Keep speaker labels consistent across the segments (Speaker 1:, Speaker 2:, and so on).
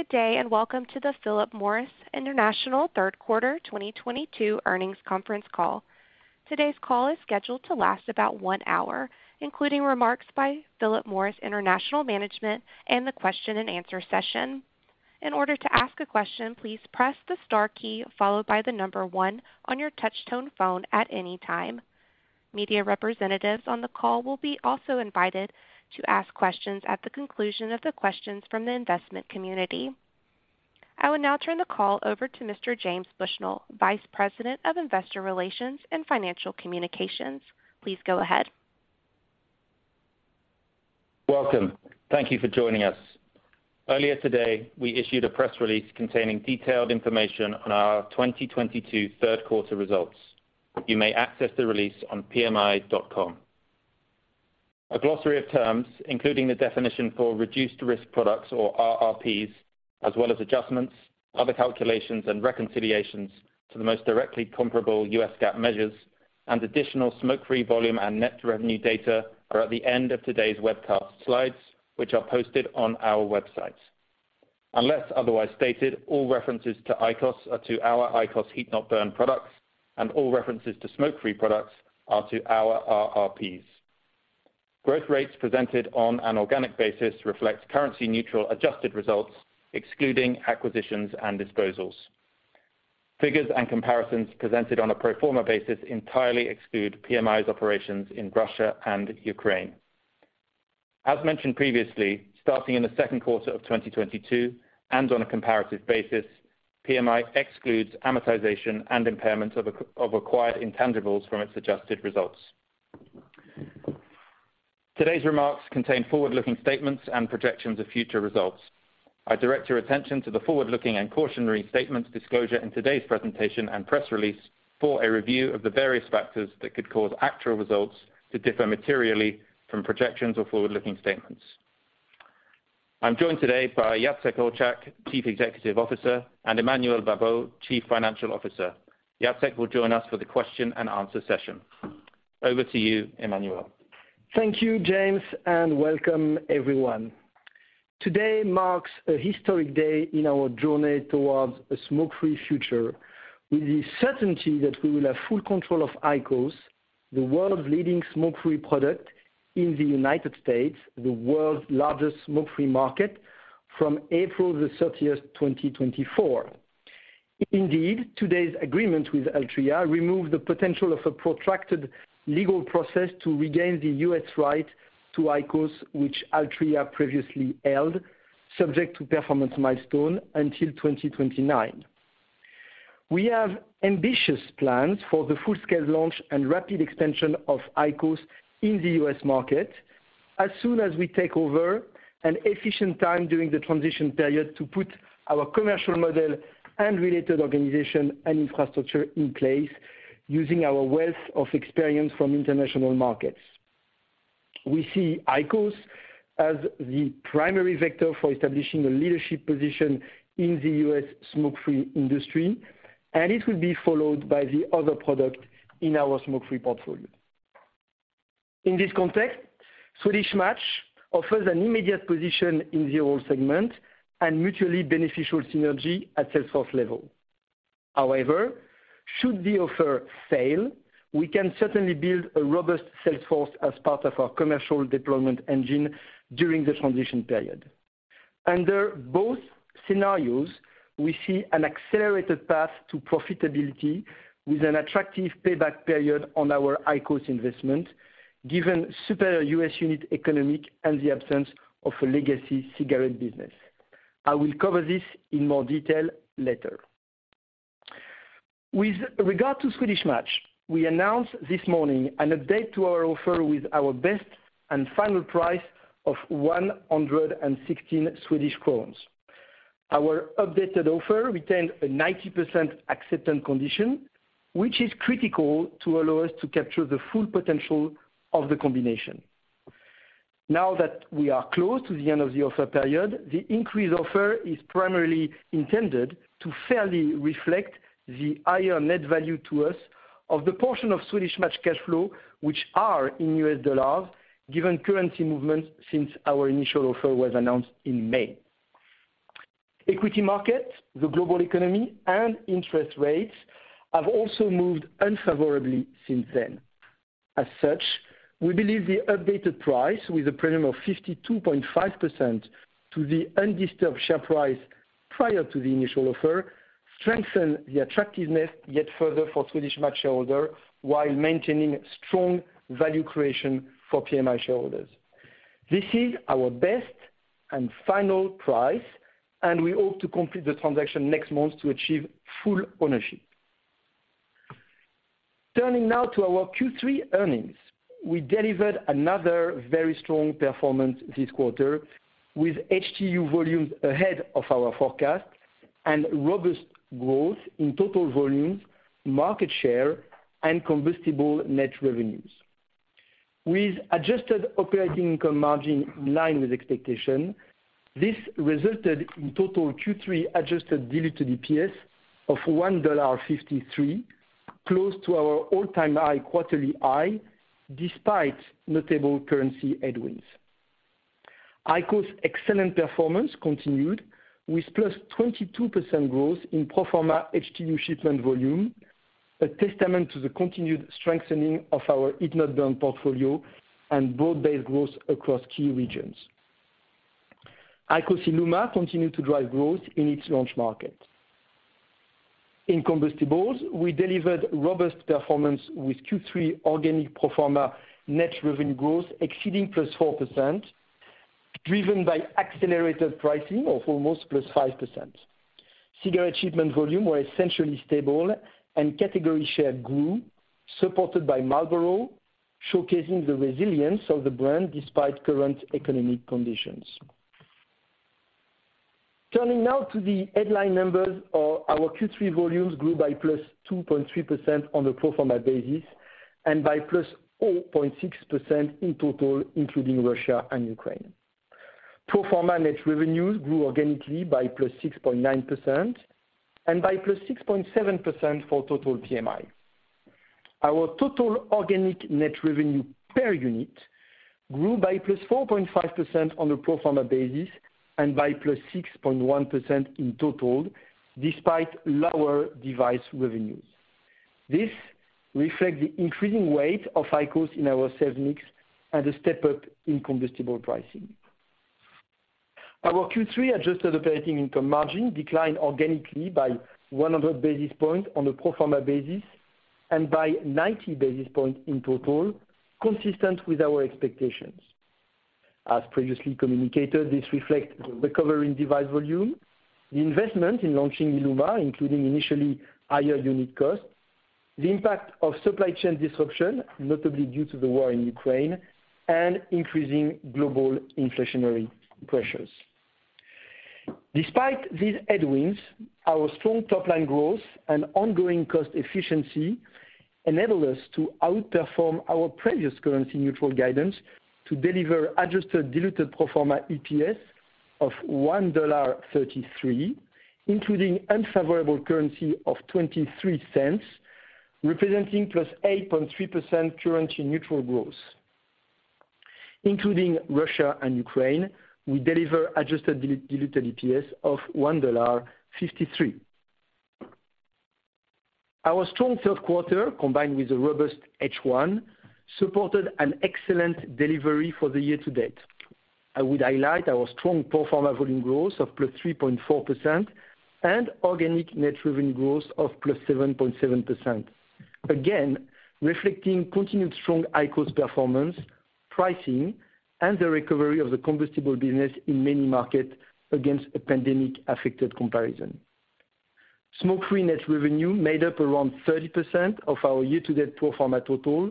Speaker 1: Good day, and welcome to the Philip Morris International third quarter 2022 earnings conference call. Today's call is scheduled to last about one hour, including remarks by Philip Morris International management and the question and answer session. In order to ask a question, please press the star key followed by the number 1 on your touch-tone phone at any time. Media representatives on the call will also be invited to ask questions at the conclusion of the questions from the investment community. I will now turn the call over to Mr. James Bushnell, Vice President of Investor Relations & Financial Communications. Please go ahead.
Speaker 2: Welcome. Thank you for joining us. Earlier today, we issued a press release containing detailed information on our 2022 third quarter results. You may access the release on pmi.com. A glossary of terms, including the definition for reduced-risk products or RRPs, as well as adjustments, other calculations, and reconciliations to the most directly comparable U.S. GAAP measures and additional smoke-free volume and net revenue data are at the end of today's webcast slides, which are posted on our website. Unless otherwise stated, all references to IQOS are to our IQOS heat-not-burn products, and all references to smoke-free products are to our RRPs. Growth rates presented on an organic basis reflect currency neutral adjusted results, excluding acquisitions and disposals. Figures and comparisons presented on a pro forma basis entirely exclude PMI's operations in Russia and Ukraine. As mentioned previously, starting in the second quarter of 2022 and on a comparative basis, PMI excludes amortization and impairment of acquired intangibles from its adjusted results. Today's remarks contain forward-looking statements and projections of future results. I direct your attention to the forward-looking and cautionary statements disclosure in today's presentation and press release for a review of the various factors that could cause actual results to differ materially from projections or forward-looking statements. I'm joined today by Jacek Olczak, Chief Executive Officer, and Emmanuel Babeau, Chief Financial Officer. Jacek will join us for the question and answer session. Over to you, Emmanuel.
Speaker 3: Thank you, James, and welcome everyone. Today marks a historic day in our journey towards a smoke-free future with the certainty that we will have full control of IQOS, the world's leading smoke-free product in the United States, the world's largest smoke-free market, from April 30, 2024. Indeed, today's agreement with Altria removed the potential of a protracted legal process to regain the U.S. rights to IQOS, which Altria previously held, subject to performance milestone until 2029. We have ambitious plans for the full-scale launch and rapid extension of IQOS in the U.S. market. As soon as we take over, we will use the transition period efficiently to put our commercial model and related organization and infrastructure in place using our wealth of experience from international markets. We see IQOS as the primary vector for establishing a leadership position in the U.S. smoke-free industry, and it will be followed by the other products in our smoke-free portfolio. In this context, Swedish Match offers an immediate position in the oral segment and mutually beneficial synergy at sales force level. However, should the offer fail, we can certainly build a robust sales force as part of our commercial deployment engine during the transition period. Under both scenarios, we see an accelerated path to profitability with an attractive payback period on our IQOS investment, given superior U.S. unit economic and the absence of a legacy cigarette business. I will cover this in more detail later. With regard to Swedish Match, we announced this morning an update to our offer with our best and final price of 116 Swedish crowns. Our updated offer retained a 90% acceptance condition, which is critical to allow us to capture the full potential of the combination. Now that we are close to the end of the offer period, the increased offer is primarily intended to fairly reflect the higher net value to us of the portion of Swedish Match cash flow, which are in U.S. dollars, given currency movements since our initial offer was announced in May. Equity markets, the global economy, and interest rates have also moved unfavorably since then. As such, we believe the updated price, with a premium of 52.5% to the undisturbed share price prior to the initial offer, strengthen the attractiveness yet further for Swedish Match shareholder, while maintaining strong value creation for PMI shareholders. This is our best and final price, and we hope to complete the transaction next month to achieve full ownership. Turning now to our Q3 earnings. We delivered another very strong performance this quarter, with HTU volumes ahead of our forecast and robust growth in total volumes, market share, and combustible net revenues. With adjusted operating income margin in line with expectation, this resulted in total Q3 adjusted diluted EPS of $1.53. Close to our all-time high quarterly high, despite notable currency headwinds. IQOS excellent performance continued with +22% growth in pro forma HTU shipment volume, a testament to the continued strengthening of our heat-not-burn portfolio and broad-based growth across key regions. IQOS ILUMA continued to drive growth in its launch markets. In combustibles, we delivered robust performance with Q3 organic pro forma net revenue growth exceeding +4%, driven by accelerated pricing of almost +5%. Cigarette shipment volumes were essentially stable, and category share grew, supported by Marlboro, showcasing the resilience of the brand despite current economic conditions. Turning now to the headline numbers. Our Q3 volumes grew by +2.3% on a pro forma basis and by +4.6% in total including Russia and Ukraine. Pro forma net revenues grew organically by +6.9% and by +6.7% for total PMI. Our total organic net revenue per unit grew by +4.5% on a pro forma basis and by +6.1% in total, despite lower device revenues. This reflects the increasing weight of IQOS in our sales mix and a step up in combustible pricing. Our Q3 adjusted operating income margin declined organically by 100 basis points on a pro forma basis and by 90 basis points in total, consistent with our expectations. As previously communicated, this reflects the recovery in device volume, the investment in launching ILUMA, including initially higher unit costs, the impact of supply chain disruption, notably due to the war in Ukraine, and increasing global inflationary pressures. Despite these headwinds, our strong top-line growth and ongoing cost efficiency enabled us to outperform our previous currency neutral guidance to deliver adjusted diluted pro forma EPS of $1.33, including unfavorable currency of $0.23, representing +8.3% currency neutral growth. Including Russia and Ukraine, we deliver adjusted diluted EPS of $1.53. Our strong third quarter, combined with a robust H1, supported an excellent delivery for the year to date. I would highlight our strong pro forma volume growth of +3.4% and organic net revenue growth of +7.7%. Again, reflecting continued strong IQOS performance, pricing, and the recovery of the combustible business in many markets against a pandemic-affected comparison. Smoke-free net revenue made up around 30% of our year-to-date pro forma total,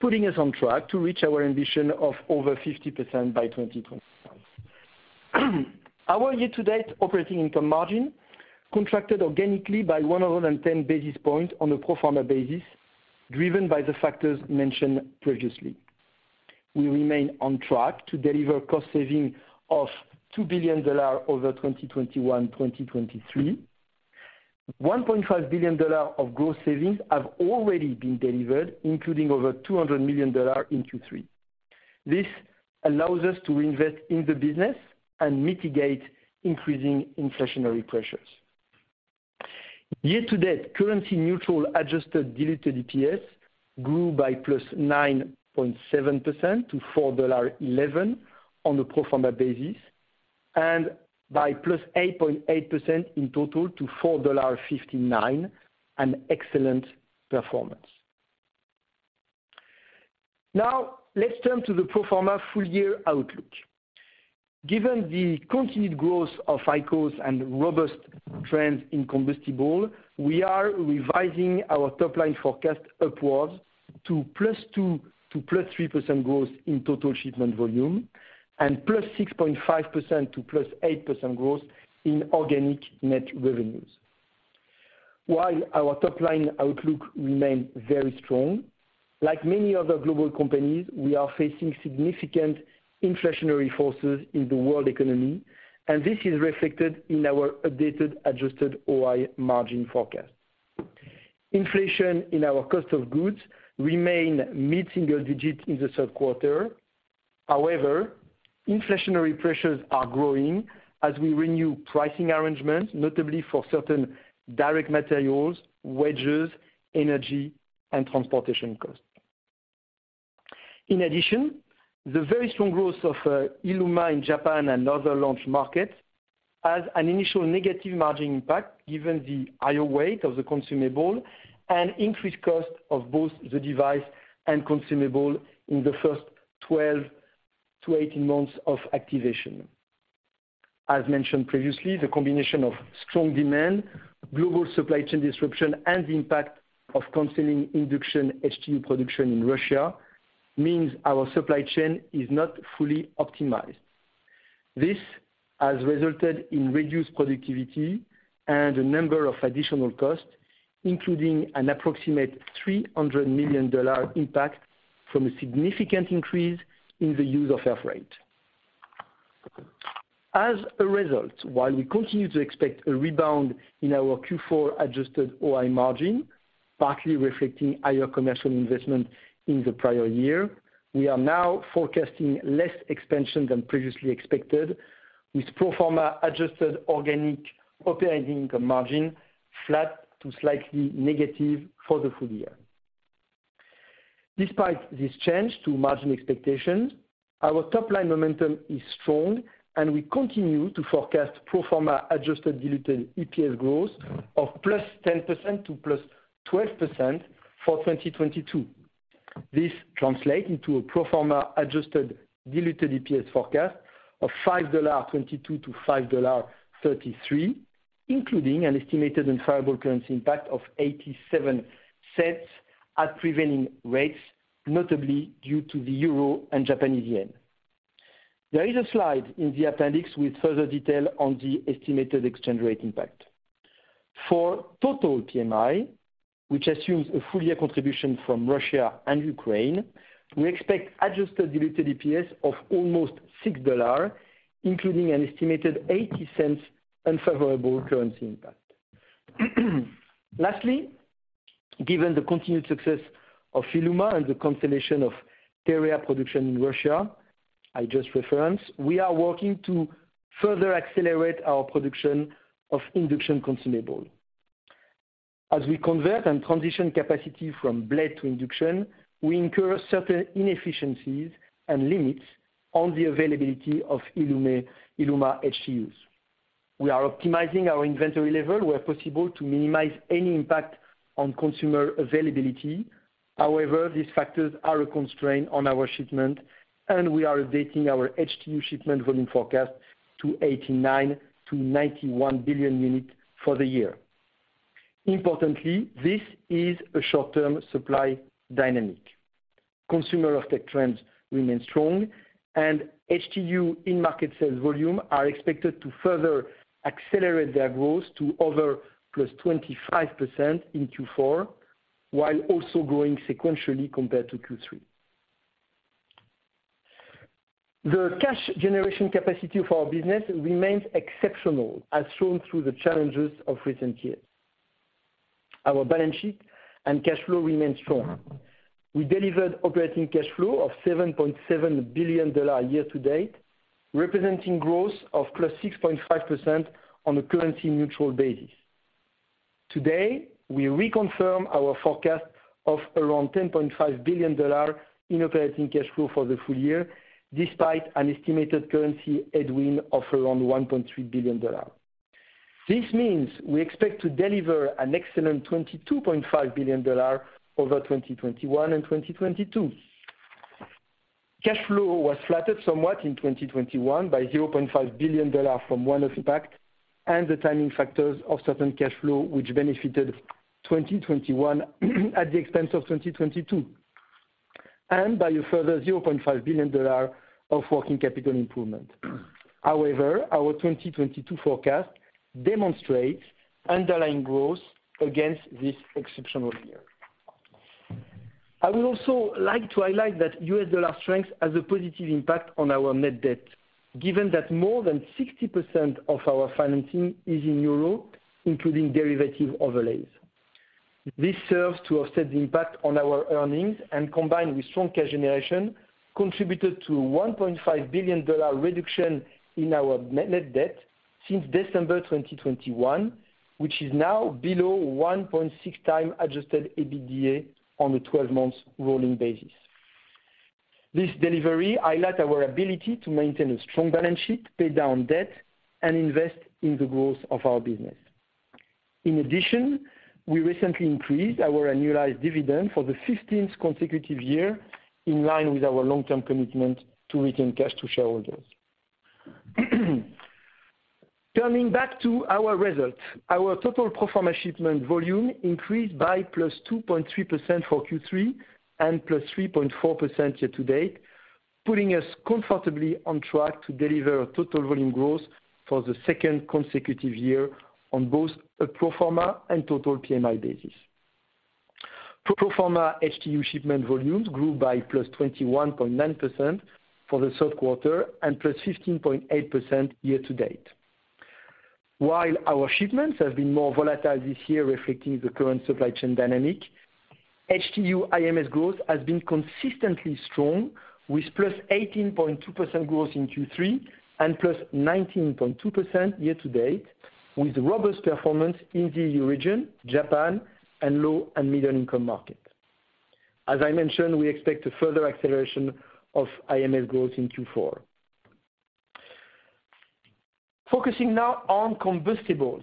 Speaker 3: putting us on track to reach our ambition of over 50% by 2025. Our year-to-date operating income margin contracted organically by 110 basis points on a pro forma basis, driven by the factors mentioned previously. We remain on track to deliver cost saving of $2 billion over 2021-2023. $1.5 billion of gross savings have already been delivered, including over $200 million in Q3. This allows us to invest in the business and mitigate increasing inflationary pressures. Year to date, currency neutral adjusted diluted EPS grew by +9.7% to $4.11 on a pro forma basis, and by +8.8% in total to $4.59, an excellent performance. Now, let's turn to the pro forma full year outlook. Given the continued growth of IQOS and robust trends in combustible, we are revising our top line forecast upwards to +2% to +3% growth in total shipment volume and +6.5% to +8% growth in organic net revenues. While our top line outlook remains very strong, like many other global companies, we are facing significant inflationary forces in the world economy, and this is reflected in our updated adjusted OI margin forecast. Inflation in our cost of goods remain mid-single digit in the third quarter. However, inflationary pressures are growing as we renew pricing arrangements, notably for certain direct materials, wages, energy, and transportation costs. In addition, the very strong growth of ILUMA in Japan and other launch markets has an initial negative margin impact given the higher weight of the consumable and increased cost of both the device and consumable in the first 12 to 18 months of activation. As mentioned previously, the combination of strong demand, global supply chain disruption, and the impact of ceasing induction HTU production in Russia means our supply chain is not fully optimized. This has resulted in reduced productivity and a number of additional costs, including an approximate $300 million impact from a significant increase in the use of air freight. As a result, while we continue to expect a rebound in our Q4 adjusted OI margin, partly reflecting higher commercial investment in the prior year, we are now forecasting less expansion than previously expected, with pro forma adjusted organic operating income margin flat to slightly negative for the full year. Despite this change to margin expectations, our top-line momentum is strong, and we continue to forecast pro forma adjusted diluted EPS growth of +10% to +12% for 2022. This translates into a pro forma adjusted diluted EPS forecast of $5.22-$5.33, including an estimated unfavorable currency impact of $0.87 at prevailing rates, notably due to the euro and Japanese yen. There is a slide in the appendix with further detail on the estimated exchange rate impact. For total PMI, which assumes a full year contribution from Russia and Ukraine, we expect adjusted diluted EPS of almost $6, including an estimated $0.80 unfavorable currency impact. Lastly, given the continued success of ILUMA and the continuation of TEREA production in Russia, I just referenced, we are working to further accelerate our production of induction consumable. As we convert and transition capacity from blade to induction, we incur certain inefficiencies and limits on the availability of ILUMA HTUs. We are optimizing our inventory level where possible to minimize any impact on consumer availability. However, these factors are a constraint on our shipment, and we are updating our HTU shipment volume forecast to 89-91 billion units for the year. Importantly, this is a short-term supply dynamic. Combustibles and tech trends remain strong and HTU in-market sales volume are expected to further accelerate their growth to over +25% in Q4, while also growing sequentially compared to Q3. The cash generation capacity for our business remains exceptional, as shown through the challenges of recent years. Our balance sheet and cash flow remain strong. We delivered operating cash flow of $7.7 billion year to date, representing growth of +6.5% on a currency-neutral basis. Today, we reconfirm our forecast of around $10.5 billion in operating cash flow for the full year, despite an estimated currency headwind of around $1.3 billion. This means we expect to deliver an excellent $22.5 billion over 2021 and 2022. Cash flow was flattered somewhat in 2021 by $0.5 billion from one-off impact and the timing factors of certain cash flow which benefited 2021 at the expense of 2022, and by a further $0.5 billion of working capital improvement. However, our 2022 forecast demonstrates underlying growth against this exceptional year. I would also like to highlight that U.S. dollar strength has a positive impact on our net debt, given that more than 60% of our financing is in euro, including derivative overlays. This serves to offset the impact on our earnings, and combined with strong cash generation, contributed to $1.5 billion reduction in our net debt since December 2021, which is now below 1.6 times adjusted EBITDA on a 12 months rolling basis. This delivery highlights our ability to maintain a strong balance sheet, pay down debt, and invest in the growth of our business. In addition, we recently increased our annualized dividend for the 15th consecutive year, in line with our long-term commitment to return cash to shareholders. Turning back to our results, our total pro forma shipment volume increased by +2.3% for Q3 and +3.4% year to date, putting us comfortably on track to deliver total volume growth for the second consecutive year on both a pro forma and total PMI basis. Pro forma HTU shipment volumes grew by +21.9% for the third quarter and +15.8% year to date. While our shipments have been more volatile this year, reflecting the current supply chain dynamic, HTU IMS growth has been consistently strong, with +18.2% growth in Q3 and +19.2% year to date, with robust performance in the EU region, Japan, and low and middle income market. As I mentioned, we expect a further acceleration of IMS growth in Q4. Focusing now on combustibles.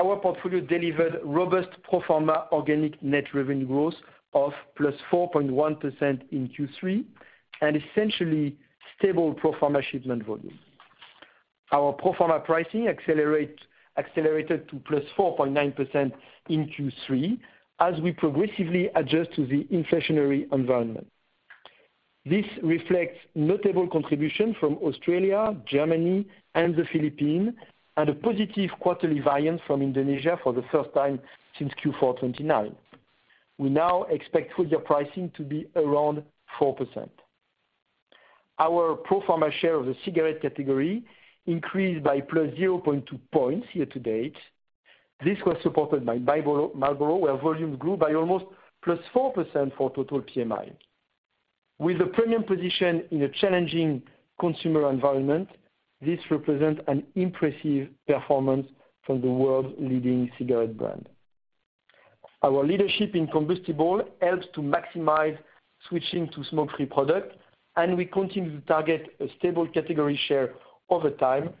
Speaker 3: Our portfolio delivered robust pro forma organic net revenue growth of +4.1% in Q3, and essentially stable pro forma shipment volume. Our pro forma pricing accelerated to +4.9% in Q3 as we progressively adjust to the inflationary environment. This reflects notable contribution from Australia, Germany, and the Philippines, and a positive quarterly variance from Indonesia for the first time since Q4 2019. We now expect full year pricing to be around 4%. Our pro forma share of the cigarette category increased by +0.2 points year to date. This was supported by Marlboro, where volumes grew by almost +4% for total PMI. With a premium position in a challenging consumer environment, this represents an impressive performance from the world's leading cigarette brand. Our leadership in combustibles helps to maximize switching to smoke-free products, and we continue to target a stable category share over time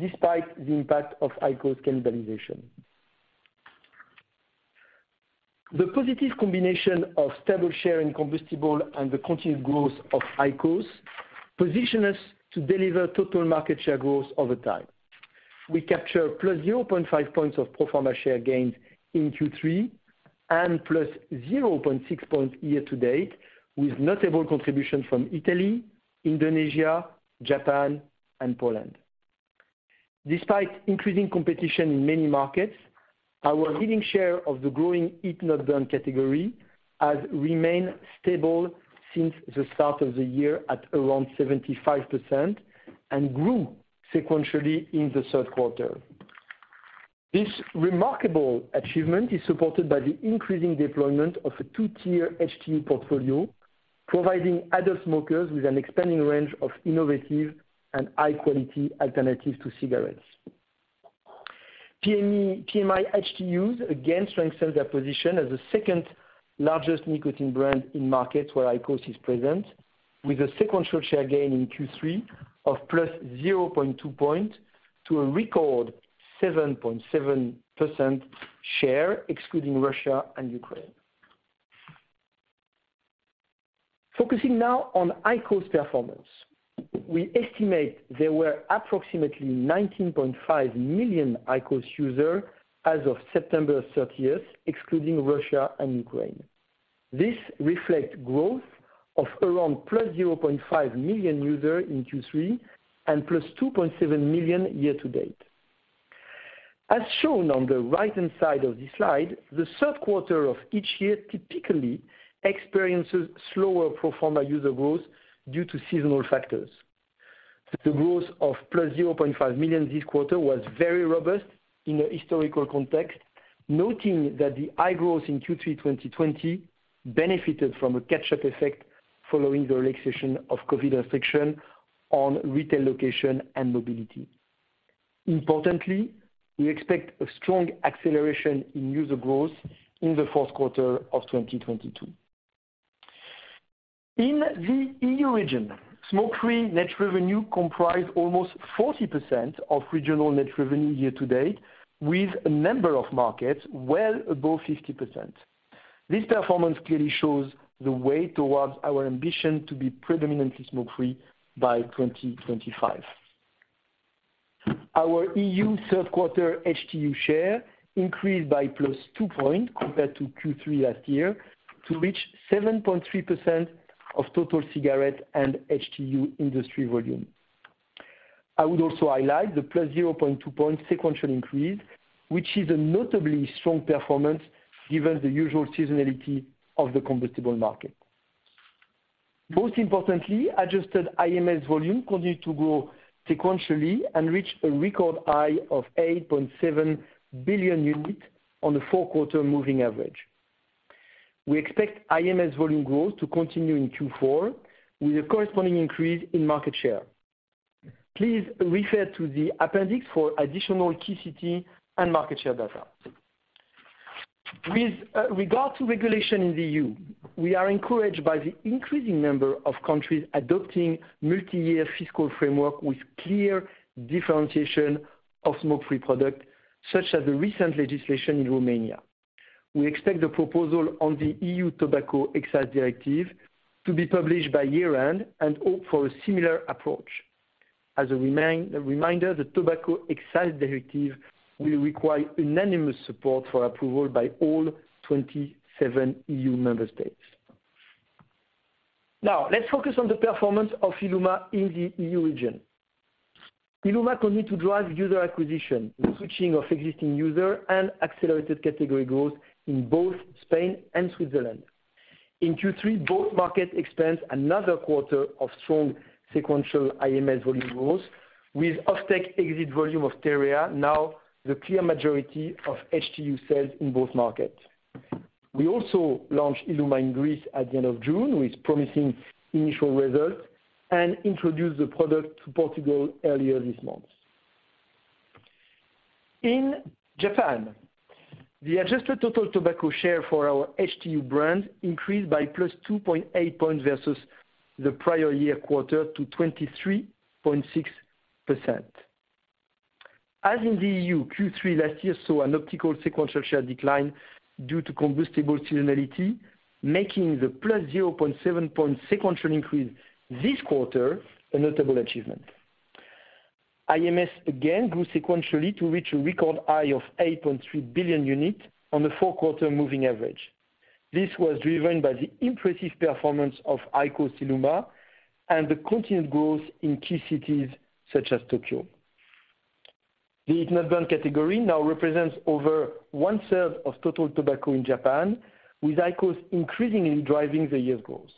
Speaker 3: despite the impact of IQOS cannibalization. The positive combination of stable share in combustibles and the continued growth of IQOS positions us to deliver total market share growth over time. We capture +0.5 points of pro forma share gains in Q3 and +0.6 points year to date, with notable contribution from Italy, Indonesia, Japan, and Poland. Despite increasing competition in many markets, our leading share of the growing heat-not-burn category has remained stable since the start of the year at around 75% and grew sequentially in the third quarter. This remarkable achievement is supported by the increasing deployment of a two-tier HT portfolio, providing adult smokers with an expanding range of innovative and high-quality alternatives to cigarettes. PMI HTUs again strengthen their position as the second-largest nicotine brand in markets where IQOS is present, with a sequential share gain in Q3 of +0.2 points to a record 7.7% share, excluding Russia and Ukraine. Focusing now on IQOS performance. We estimate there were approximately 19.5 million IQOS users as of September 30, excluding Russia and Ukraine. This reflects growth of around +0.5 million users in Q3 and +2.7 million year to date. As shown on the right-hand side of the slide, the third quarter of each year typically experiences slower pro forma user growth due to seasonal factors. The growth of +0.5 million this quarter was very robust in a historical context, noting that the high growth in Q3 2020 benefited from a catch-up effect following the relaxation of COVID restrictions on retail locations and mobility. Importantly, we expect a strong acceleration in user growth in the fourth quarter of 2022. In the EU region, smoke-free net revenue comprised almost 40% of regional net revenue year to date, with a number of markets well above 50%. This performance clearly shows the way towards our ambition to be predominantly smoke-free by 2025. Our EU third quarter HTU share increased by +2 points compared to Q3 last year to reach 7.3% of total cigarette and HTU industry volume. I would also highlight the +0.2 points sequential increase, which is a notably strong performance given the usual seasonality of the combustible market. Most importantly, adjusted IMS volume continued to grow sequentially and reached a record high of 8.7 billion units on the fourth quarter moving average. We expect IMS volume growth to continue in Q4 with a corresponding increase in market share. Please refer to the appendix for additional key cities and market share data. With regard to regulation in the EU, we are encouraged by the increasing number of countries adopting multi-year fiscal framework with clear differentiation of smoke-free product, such as the recent legislation in Romania. We expect the proposal on the EU Tobacco Excise Directive to be published by year-end and hope for a similar approach. As a reminder, the Tobacco Excise Directive will require unanimous support for approval by all 27 EU member states. Now, let's focus on the performance of Iluma in the EU region. Iluma continued to drive user acquisition, the switching of existing user, and accelerated category growth in both Spain and Switzerland. In Q3, both markets experienced another quarter of strong sequential IMS volume growth, with offtake exit volume of TEREA, now the clear majority of HTU sales in both markets. We also launched IQOS ILUMA in Greece at the end of June, with promising initial results, and introduced the product to Portugal earlier this month. In Japan, the adjusted total tobacco share for our HTU brand increased by +2.8 points versus the prior year quarter to 23.6%. As in the EU, Q3 last year saw an actual sequential share decline due to combustible seasonality, making the +0.7-point sequential increase this quarter a notable achievement. IMS again grew sequentially to reach a record high of 8.3 billion units on the fourth quarter moving average. This was driven by the impressive performance of IQOS ILUMA and the continued growth in key cities such as Tokyo. The heat-not-burn category now represents over one third of total tobacco in Japan, with IQOS increasingly driving the unit growth.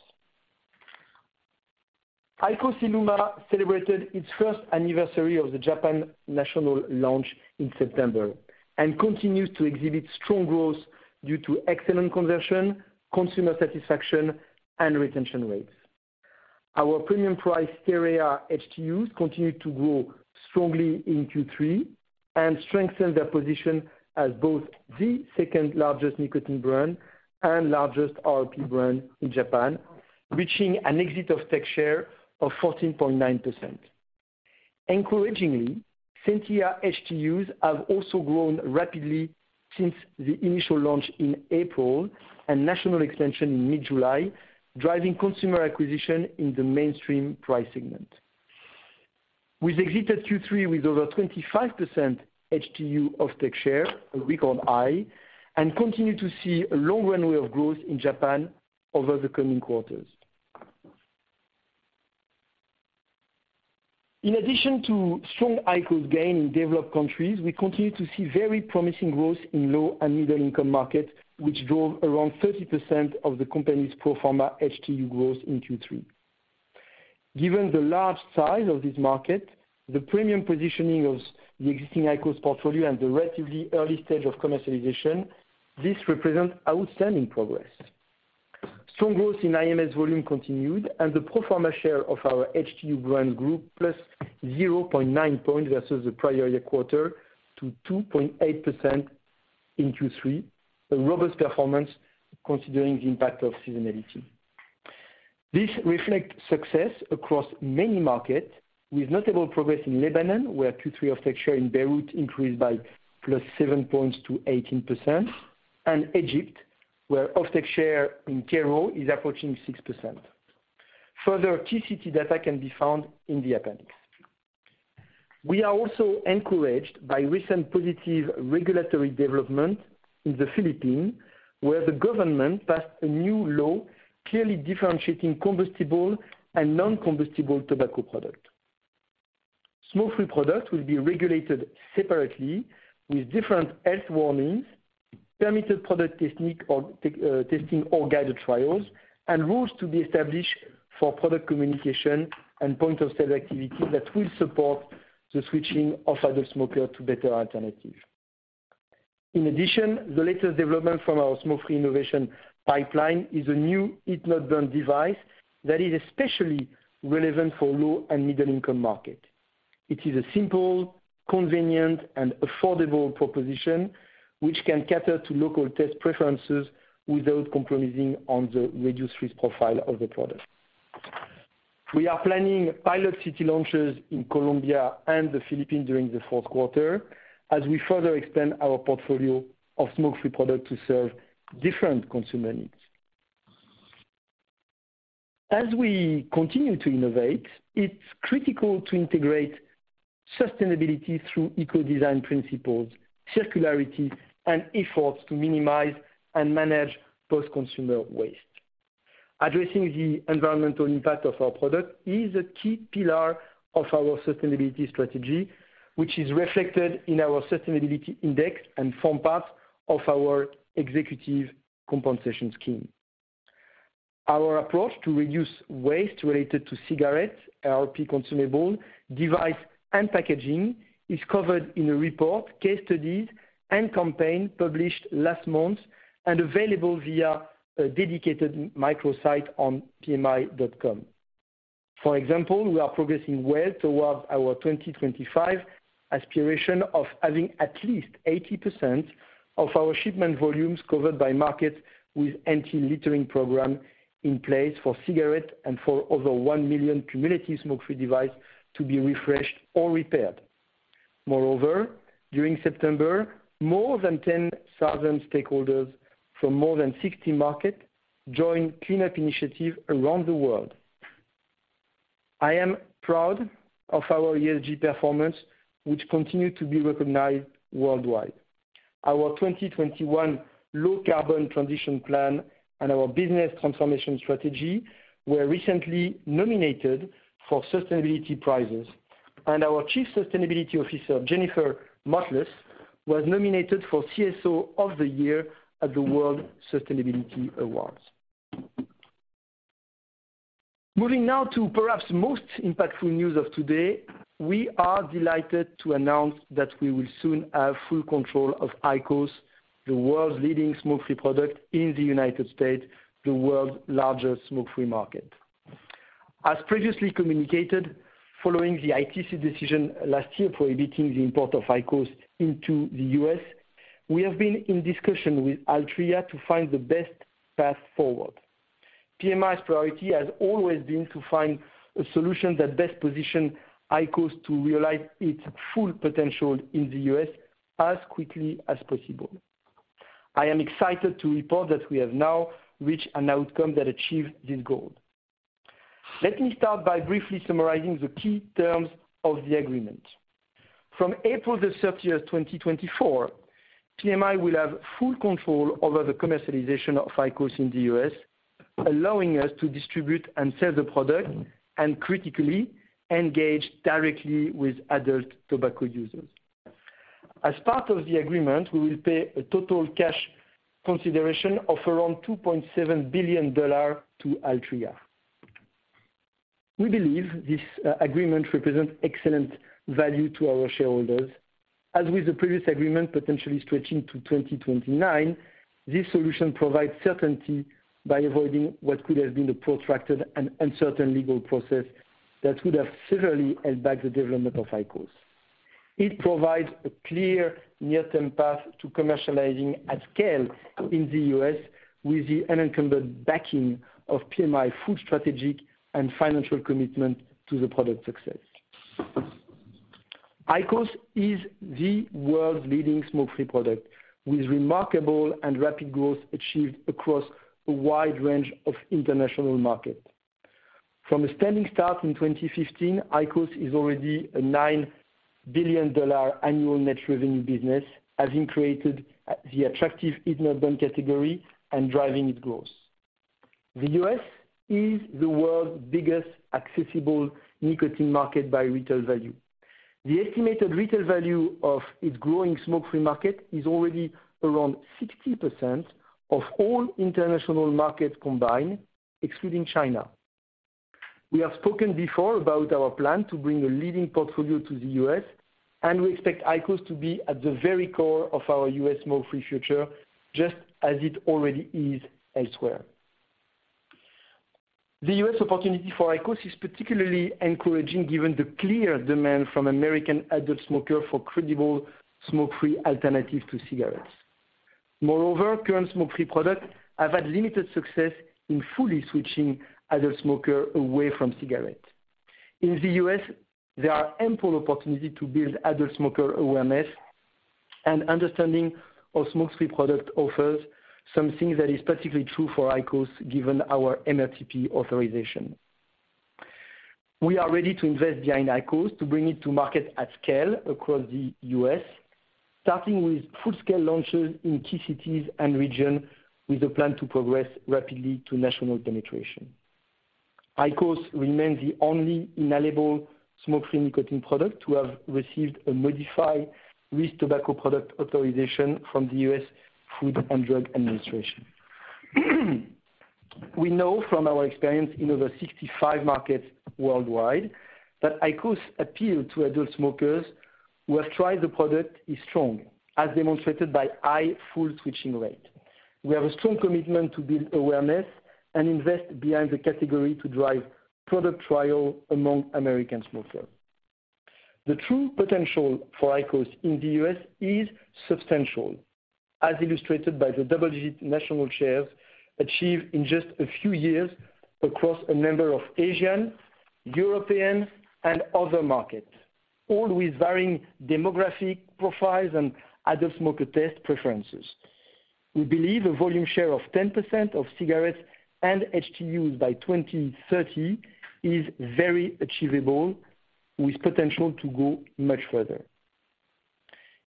Speaker 3: IQOS ILUMA celebrated its first anniversary of the Japan national launch in September and continues to exhibit strong growth due to excellent conversion, consumer satisfaction, and retention rates. Our premium price series HTUs continued to grow strongly in Q3 and strengthen their position as both the second-largest nicotine brand and largest RRP brand in Japan, reaching an exit HTU share of 14.9%. Encouragingly, SENTIA HTUs have also grown rapidly since the initial launch in April and national expansion in mid-July, driving consumer acquisition in the mainstream price segment. We've exited Q3 with over 25% HTU offtake share, a record high, and continue to see a long runway of growth in Japan over the coming quarters. In addition to strong IQOS gain in developed countries, we continue to see very promising growth in low and middle-income markets, which drove around 30% of the company's pro forma HTU growth in Q3. Given the large size of this market, the premium positioning of the existing IQOS portfolio and the relatively early stage of commercialization, this represents outstanding progress. Strong growth in IMS volume continued and the pro forma share of our HTU brand group plus 0.9 points versus the prior year quarter to 2.8% in Q3, a robust performance considering the impact of seasonality. This reflects success across many markets with notable progress in Lebanon, where Q3 offtake share in Beirut increased by +7 points to 18%, and Egypt, where offtake share in Cairo is approaching 6%. Further TCS data can be found in the appendix. We are also encouraged by recent positive regulatory development in the Philippines, where the government passed a new law clearly differentiating combustible and non-combustible tobacco product. Smoke-free products will be regulated separately with different health warnings, permitted product technique or testing or guided trials, and rules to be established for product communication and point-of-sale activity that will support the switching of other smokers to better alternatives. In addition, the latest development from our smoke-free innovation pipeline is a new heat-not-burn device that is especially relevant for low and middle-income markets. It is a simple, convenient, and affordable proposition, which can cater to local taste preferences without compromising on the reduced risk profile of the product. We are planning pilot city launches in Colombia and the Philippines during the fourth quarter as we further extend our portfolio of smoke-free products to serve different consumer needs. As we continue to innovate, it's critical to integrate sustainability through eco-design principles, circularity, and efforts to minimize and manage post-consumer waste. Addressing the environmental impact of our product is a key pillar of our sustainability strategy, which is reflected in our sustainability index and form part of our executive compensation scheme. Our approach to reduce waste related to cigarettes, RRP consumable, device, and packaging is covered in a report, case studies, and campaign published last month and available via a dedicated microsite on pmi.com. For example, we are progressing well towards our 2025 aspiration of having at least 80% of our shipment volumes covered by markets with anti-littering program in place for cigarettes and for over 1 million cumulative smoke-free devices to be refreshed or repaired. Moreover, during September, more than 10,000 stakeholders from more than 60 markets joined cleanup initiative around the world. I am proud of our ESG performance, which continue to be recognized worldwide. Our 2021 low carbon transition plan and our business transformation strategy were recently nominated for sustainability prizes, and our Chief Sustainability Officer, Jennifer Motles, was nominated for CSO of the year at the World Sustainability Awards. Moving now to perhaps most impactful news of today, we are delighted to announce that we will soon have full control of IQOS, the world's leading smoke-free product in the United States, the world's largest smoke-free market. As previously communicated, following the ITC decision last year prohibiting the import of IQOS into the U.S., we have been in discussion with Altria to find the best path forward. PMI's priority has always been to find a solution that best positions IQOS to realize its full potential in the U.S. as quickly as possible. I am excited to report that we have now reached an outcome that achieves this goal. Let me start by briefly summarizing the key terms of the agreement. From April the thirtieth, 2024, PMI will have full control over the commercialization of IQOS in the U.S., allowing us to distribute and sell the product and critically engage directly with adult tobacco users. As part of the agreement, we will pay a total cash consideration of around $2.7 billion to Altria. We believe this agreement represents excellent value to our shareholders, as with the previous agreement, potentially stretching to 2029. This solution provides certainty by avoiding what could have been a protracted and uncertain legal process that could have severely held back the development of IQOS. It provides a clear near-term path to commercializing at scale in the U.S. with the unencumbered backing of PMI's full strategic and financial commitment to the product success. IQOS is the world's leading smoke-free product, with remarkable and rapid growth achieved across a wide range of international markets. From a standing start in 2015, IQOS is already a $9 billion annual net revenue business, having created the attractive heat-not-burn category and driving its growth. The U.S. is the world's biggest accessible nicotine market by retail value. The estimated retail value of its growing smoke-free market is already around 60% of all international markets combined, excluding China. We have spoken before about our plan to bring a leading portfolio to the U.S., and we expect IQOS to be at the very core of our U.S. smoke-free future, just as it already is elsewhere. The U.S. opportunity for IQOS is particularly encouraging, given the clear demand from American adult smokers for credible smoke-free alternatives to cigarettes. Moreover, current smoke-free products have had limited success in fully switching adult smokers away from cigarettes. In the U.S., there are ample opportunities to build adult smoker awareness and understanding of smoke-free product offers, something that is particularly true for IQOS given our MRTP authorization. We are ready to invest behind IQOS to bring it to market at scale across the U.S., starting with full-scale launches in key cities and regions, with a plan to progress rapidly to national penetration. IQOS remains the only inhalable smoke-free nicotine product to have received a modified risk tobacco product authorization from the U.S. Food and Drug Administration. We know from our experience in over 65 markets worldwide that IQOS appeal to adult smokers who have tried the product is strong, as demonstrated by high full switching rate. We have a strong commitment to build awareness and invest behind the category to drive product trial among American smokers. The true potential for IQOS in the U.S. is substantial, as illustrated by the double-digit national shares achieved in just a few years across a number of Asian, European, and other markets, all with varying demographic profiles and adult smoker taste preferences. We believe a volume share of 10% of cigarettes and HTUs by 2030 is very achievable, with potential to go much further.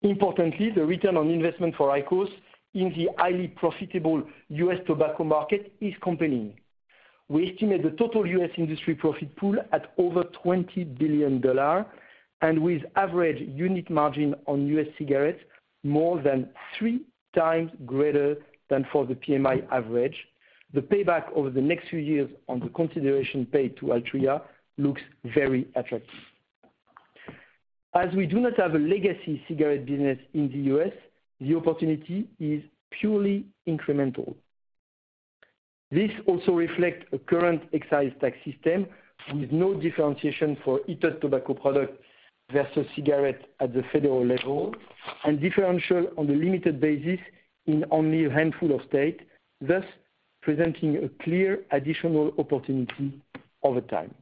Speaker 3: Importantly, the return on investment for IQOS in the highly profitable U.S. tobacco market is compelling. We estimate the total U.S. industry profit pool at over $20 billion and with average unit margin on U.S. cigarettes more than three times greater than for the PMI average. The payback over the next few years on the consideration paid to Altria looks very attractive. As we do not have a legacy cigarette business in the U.S., the opportunity is purely incremental. This also reflects a current excise tax system with no differentiation for heated tobacco products versus cigarettes at the federal level and differential on a limited basis in only a handful of states, thus presenting a clear additional opportunity over time.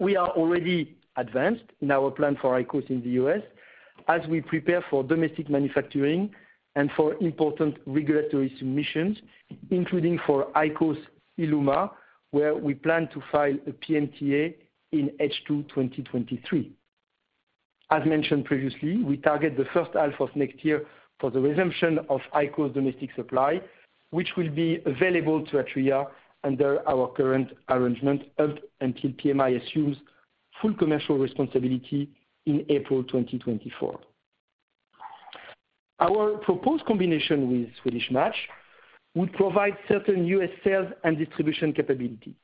Speaker 3: We are already advanced in our plan for IQOS in the U.S. as we prepare for domestic manufacturing and for important regulatory submissions, including for IQOS ILUMA, where we plan to file a PMTA in H2 2023. As mentioned previously, we target the first half of next year for the resumption of IQOS domestic supply, which will be available to Altria under our current arrangement up until PMI assumes full commercial responsibility in April 2024. Our proposed combination with Swedish Match would provide certain U.S. sales and distribution capability.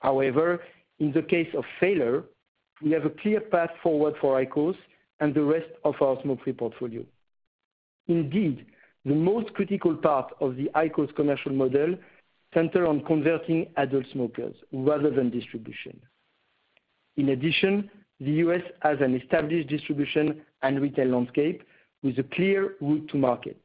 Speaker 3: However, in the case of failure, we have a clear path forward for IQOS and the rest of our smoke-free portfolio. Indeed, the most critical part of the IQOS commercial model centers on converting adult smokers rather than distribution. In addition, the U.S. has an established distribution and retail landscape with a clear route to market.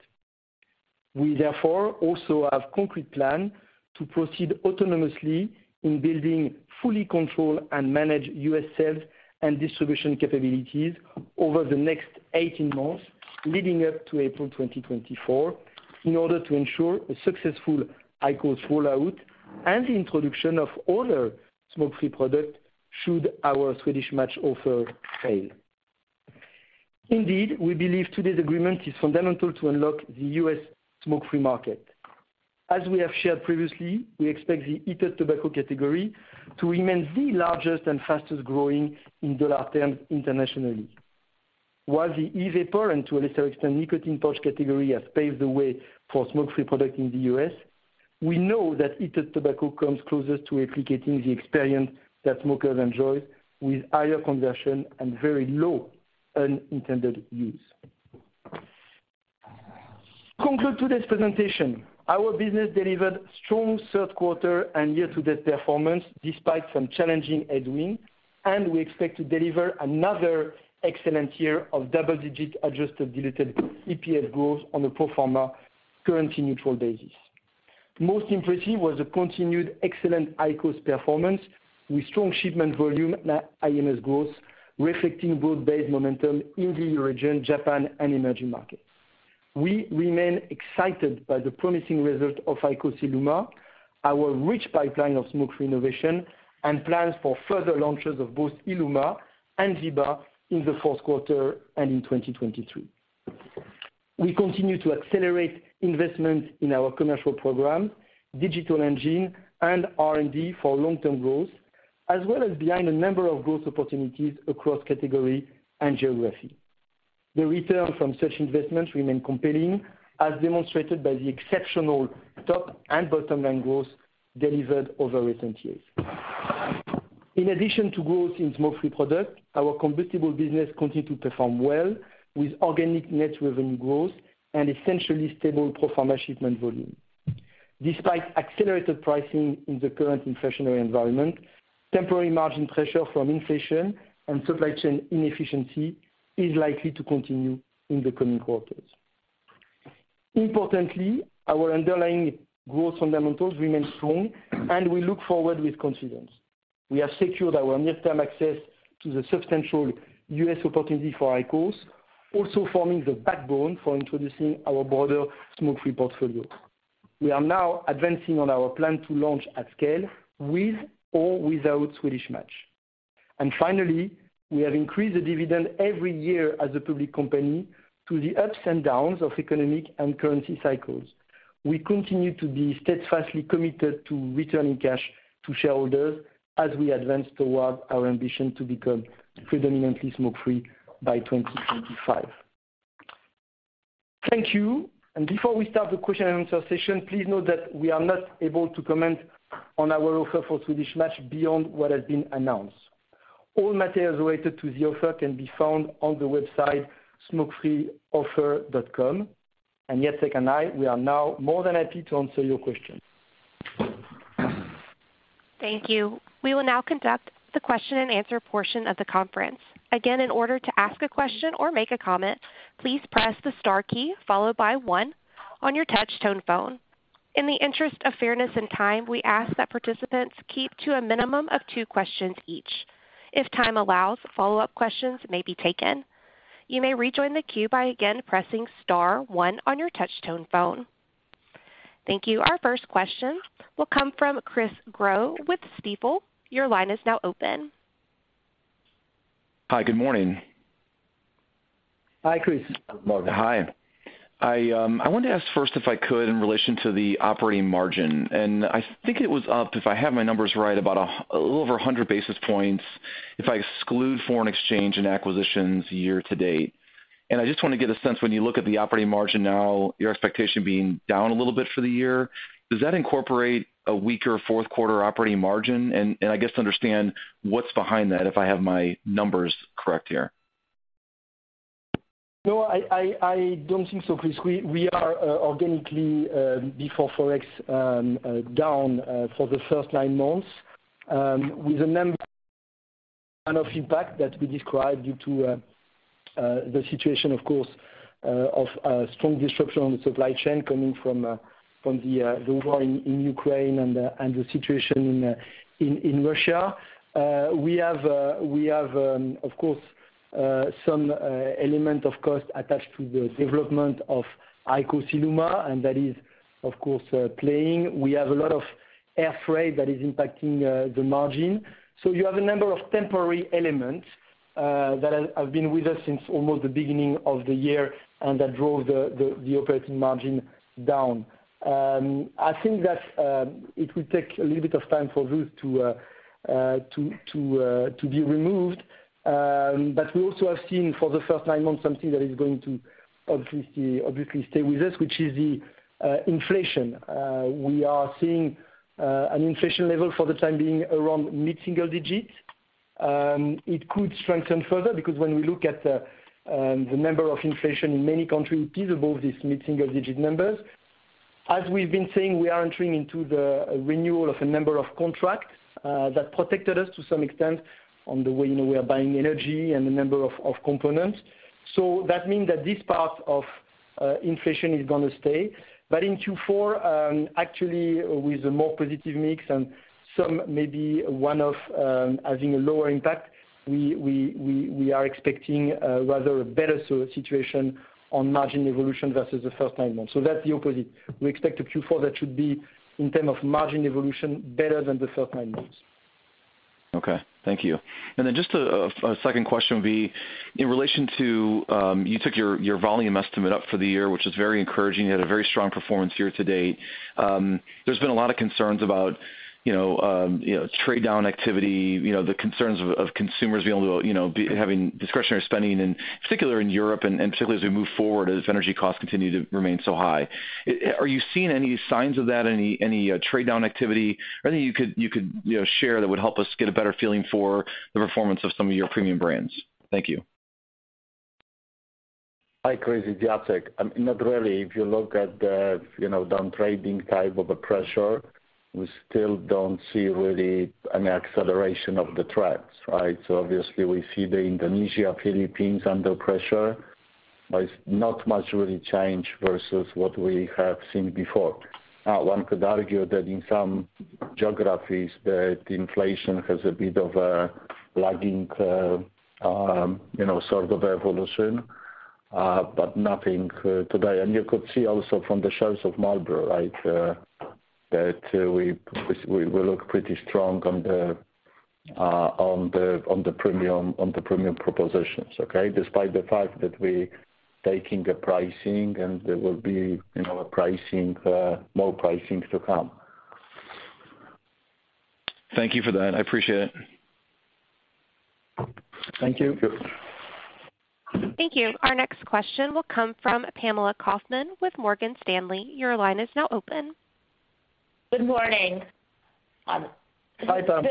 Speaker 3: We therefore also have concrete plan to proceed autonomously in building, fully control and manage U.S. sales and distribution capabilities over the next 18 months leading up to April 2024 in order to ensure a successful IQOS rollout and the introduction of other smoke-free products. Should our Swedish Match offer fail. Indeed, we believe today's agreement is fundamental to unlock the U.S. smoke-free market. As we have shared previously, we expect the heated tobacco category to remain the largest and fastest-growing in dollar terms internationally. While the e-vapor and to a lesser extent nicotine pouch category has paved the way for smoke-free product in the U.S., we know that heated tobacco comes closest to replicating the experience that smokers enjoy with higher conversion and very low unintended use. Conclude today's presentation. Our business delivered strong third quarter and year-to-date performance despite some challenging headwind, and we expect to deliver another excellent year of double-digit adjusted diluted EPS growth on a pro forma currency-neutral basis. Most impressive was the continued excellent IQOS performance with strong shipment volume, IMS growth, reflecting broad-based momentum in the region, Japan, and emerging markets. We remain excited by the promising result of IQOS ILUMA, our rich pipeline of smoke-free innovation and plans for further launches of both ILUMA and VEEV, in the fourth quarter and in 2023. We continue to accelerate investment in our commercial program, digital engine and R&D for long-term growth, as well as behind a number of growth opportunities across category and geography. The return from such investments remain compelling, as demonstrated by the exceptional top and bottom-line growth delivered over recent years. In addition to growth in smoke-free product, our combustible business continued to perform well with organic net revenue growth and essentially stable pro forma shipment volume. Despite accelerated pricing in the current inflationary environment, temporary margin pressure from inflation and supply chain inefficiency is likely to continue in the coming quarters. Importantly, our underlying growth fundamentals remain strong and we look forward with confidence. We have secured our near-term access to the substantial U.S. opportunity for IQOS, also forming the backbone for introducing our broader smoke-free portfolio. We are now advancing on our plan to launch at scale, with or without Swedish Match. Finally, we have increased the dividend every year as a public company through the ups and downs of economic and currency cycles. We continue to be steadfastly committed to returning cash to shareholders as we advance toward our ambition to become predominantly smoke-free by 2025. Thank you. Before we start the question and answer session, please note that we are not able to comment on our offer for Swedish Match beyond what has been announced. All materials related to the offer can be found on the website smokefree-offer.com. Jacek and I, we are now more than happy to answer your questions.
Speaker 1: Thank you. We will now conduct the question-and-answer portion of the conference. Again, in order to ask a question or make a comment, please press the star key followed by one on your touch tone phone. In the interest of fairness and time, we ask that participants keep to a minimum of two questions each. If time allows, follow-up questions may be taken. You may rejoin the queue by again pressing star one on your touch tone phone. Thank you. Our first question will come from Chris Growe with Stifel. Your line is now open.
Speaker 4: Hi. Good morning.
Speaker 3: Hi, Chris. Good morning.
Speaker 4: Hi. I wanted to ask first if I could, in relation to the operating margin. I think it was up, if I have my numbers right, about a little over 100 basis points if I exclude foreign exchange and acquisitions year to date. I just wanna get a sense, when you look at the operating margin now, your expectation being down a little bit for the year, does that incorporate a weaker fourth quarter operating margin? I guess to understand what's behind that, if I have my numbers correct here.
Speaker 3: No, I don't think so, Chris. We are organically before Forex down for the first nine months with a number of impacts that we described due to the situation, of course, of strong disruption on the supply chain coming from the war in Ukraine and the situation in Russia. We have of course some element of cost attached to the development of IQOS ILUMA, and that is of course playing. We have a lot of air freight that is impacting the margin. You have a number of temporary elements that have been with us since almost the beginning of the year and that drove the operating margin down. I think that it will take a little bit of time for those to be removed. We also have seen for the first nine months something that is going to obviously stay with us, which is the inflation. We are seeing an inflation level for the time being around mid-single digits. It could strengthen further because when we look at the level of inflation in many countries, it is above this mid-single digit numbers. As we've been saying, we are entering into the renewal of a number of contracts that protected us to some extent on the way, you know, we are buying energy and a number of components. That means that this part of inflation is gonna stay. In Q4, actually with a more positive mix and some maybe one-off having a lower impact, we are expecting rather a better sort of situation on margin evolution versus the first nine months. That's the opposite. We expect a Q4 that should be, in terms of margin evolution, better than the first nine months.
Speaker 4: Okay. Thank you. Just a second question would be in relation to you took your volume estimate up for the year, which is very encouraging. You had a very strong performance year to date. There's been a lot of concerns about, you know, trade-down activity, you know, the concerns of consumers being able, you know, behaving discretionary spending, and particularly in Europe and particularly as we move forward, as energy costs continue to remain so high. Are you seeing any signs of that, any trade-down activity or anything you could share that would help us get a better feeling for the performance of some of your premium brands? Thank you.
Speaker 5: Hi, Chris. It's Jacek. Not really. If you look at the, you know, down-trading type of a pressure, we still don't see really an acceleration of the trends, right? So obviously we see the Indonesia, Philippines under pressure, but it's not much really changed versus what we have seen before. One could argue that in some geographies that inflation has a bit of a lagging, you know, sort of evolution, but nothing today. You could see also from the shares of Marlboro, right, that we look pretty strong on the premium propositions, okay? Despite the fact that we taking a pricing and there will be, you know, a pricing, more pricing to come.
Speaker 4: Thank you for that. I appreciate it.
Speaker 5: Thank you.
Speaker 1: Thank you. Our next question will come from Pamela Kaufman with Morgan Stanley. Your line is now open.
Speaker 6: Good morning.
Speaker 5: Hi, Pam.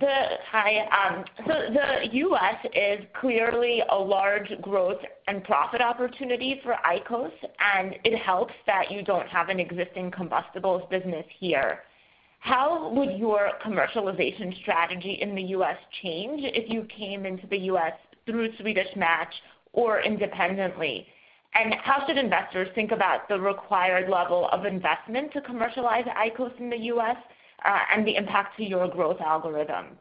Speaker 6: Hi, the U.S. is clearly a large growth and profit opportunity for IQOS, and it helps that you don't have an existing combustibles business here. How would your commercialization strategy in the U.S. change if you came into the U.S. through Swedish Match or independently? And how should investors think about the required level of investment to commercialize IQOS in the U.S., and the impact to your growth algorithm?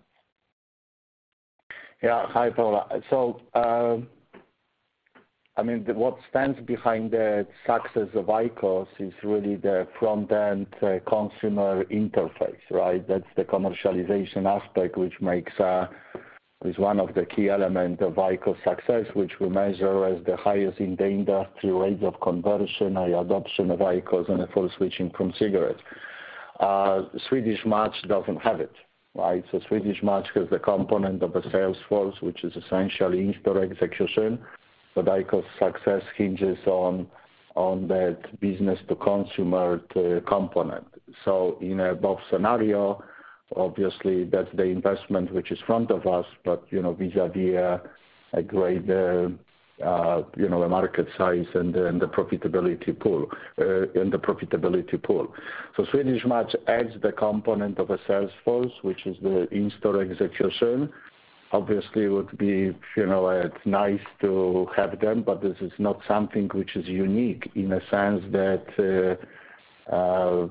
Speaker 5: Yeah. Hi, Pamela. I mean, what stands behind the success of IQOS is really the front end consumer interface, right? That's the commercialization aspect which is one of the key element of IQOS success, which we measure as the highest in the industry rates of conversion and adoption of IQOS and a full switching from cigarettes. Swedish Match doesn't have it, right? Swedish Match has the component of the sales force, which is essentially in-store execution, but IQOS success hinges on that business-to-consumer component. In a bolt-on scenario, obviously that's the investment which is in front of us but, you know, vis-à-vis a great, you know, a market size and the profitability pool. Swedish Match adds the component of a sales force, which is the in-store execution. Obviously it would be, you know, nice to have them, but this is not something which is unique in a sense that that,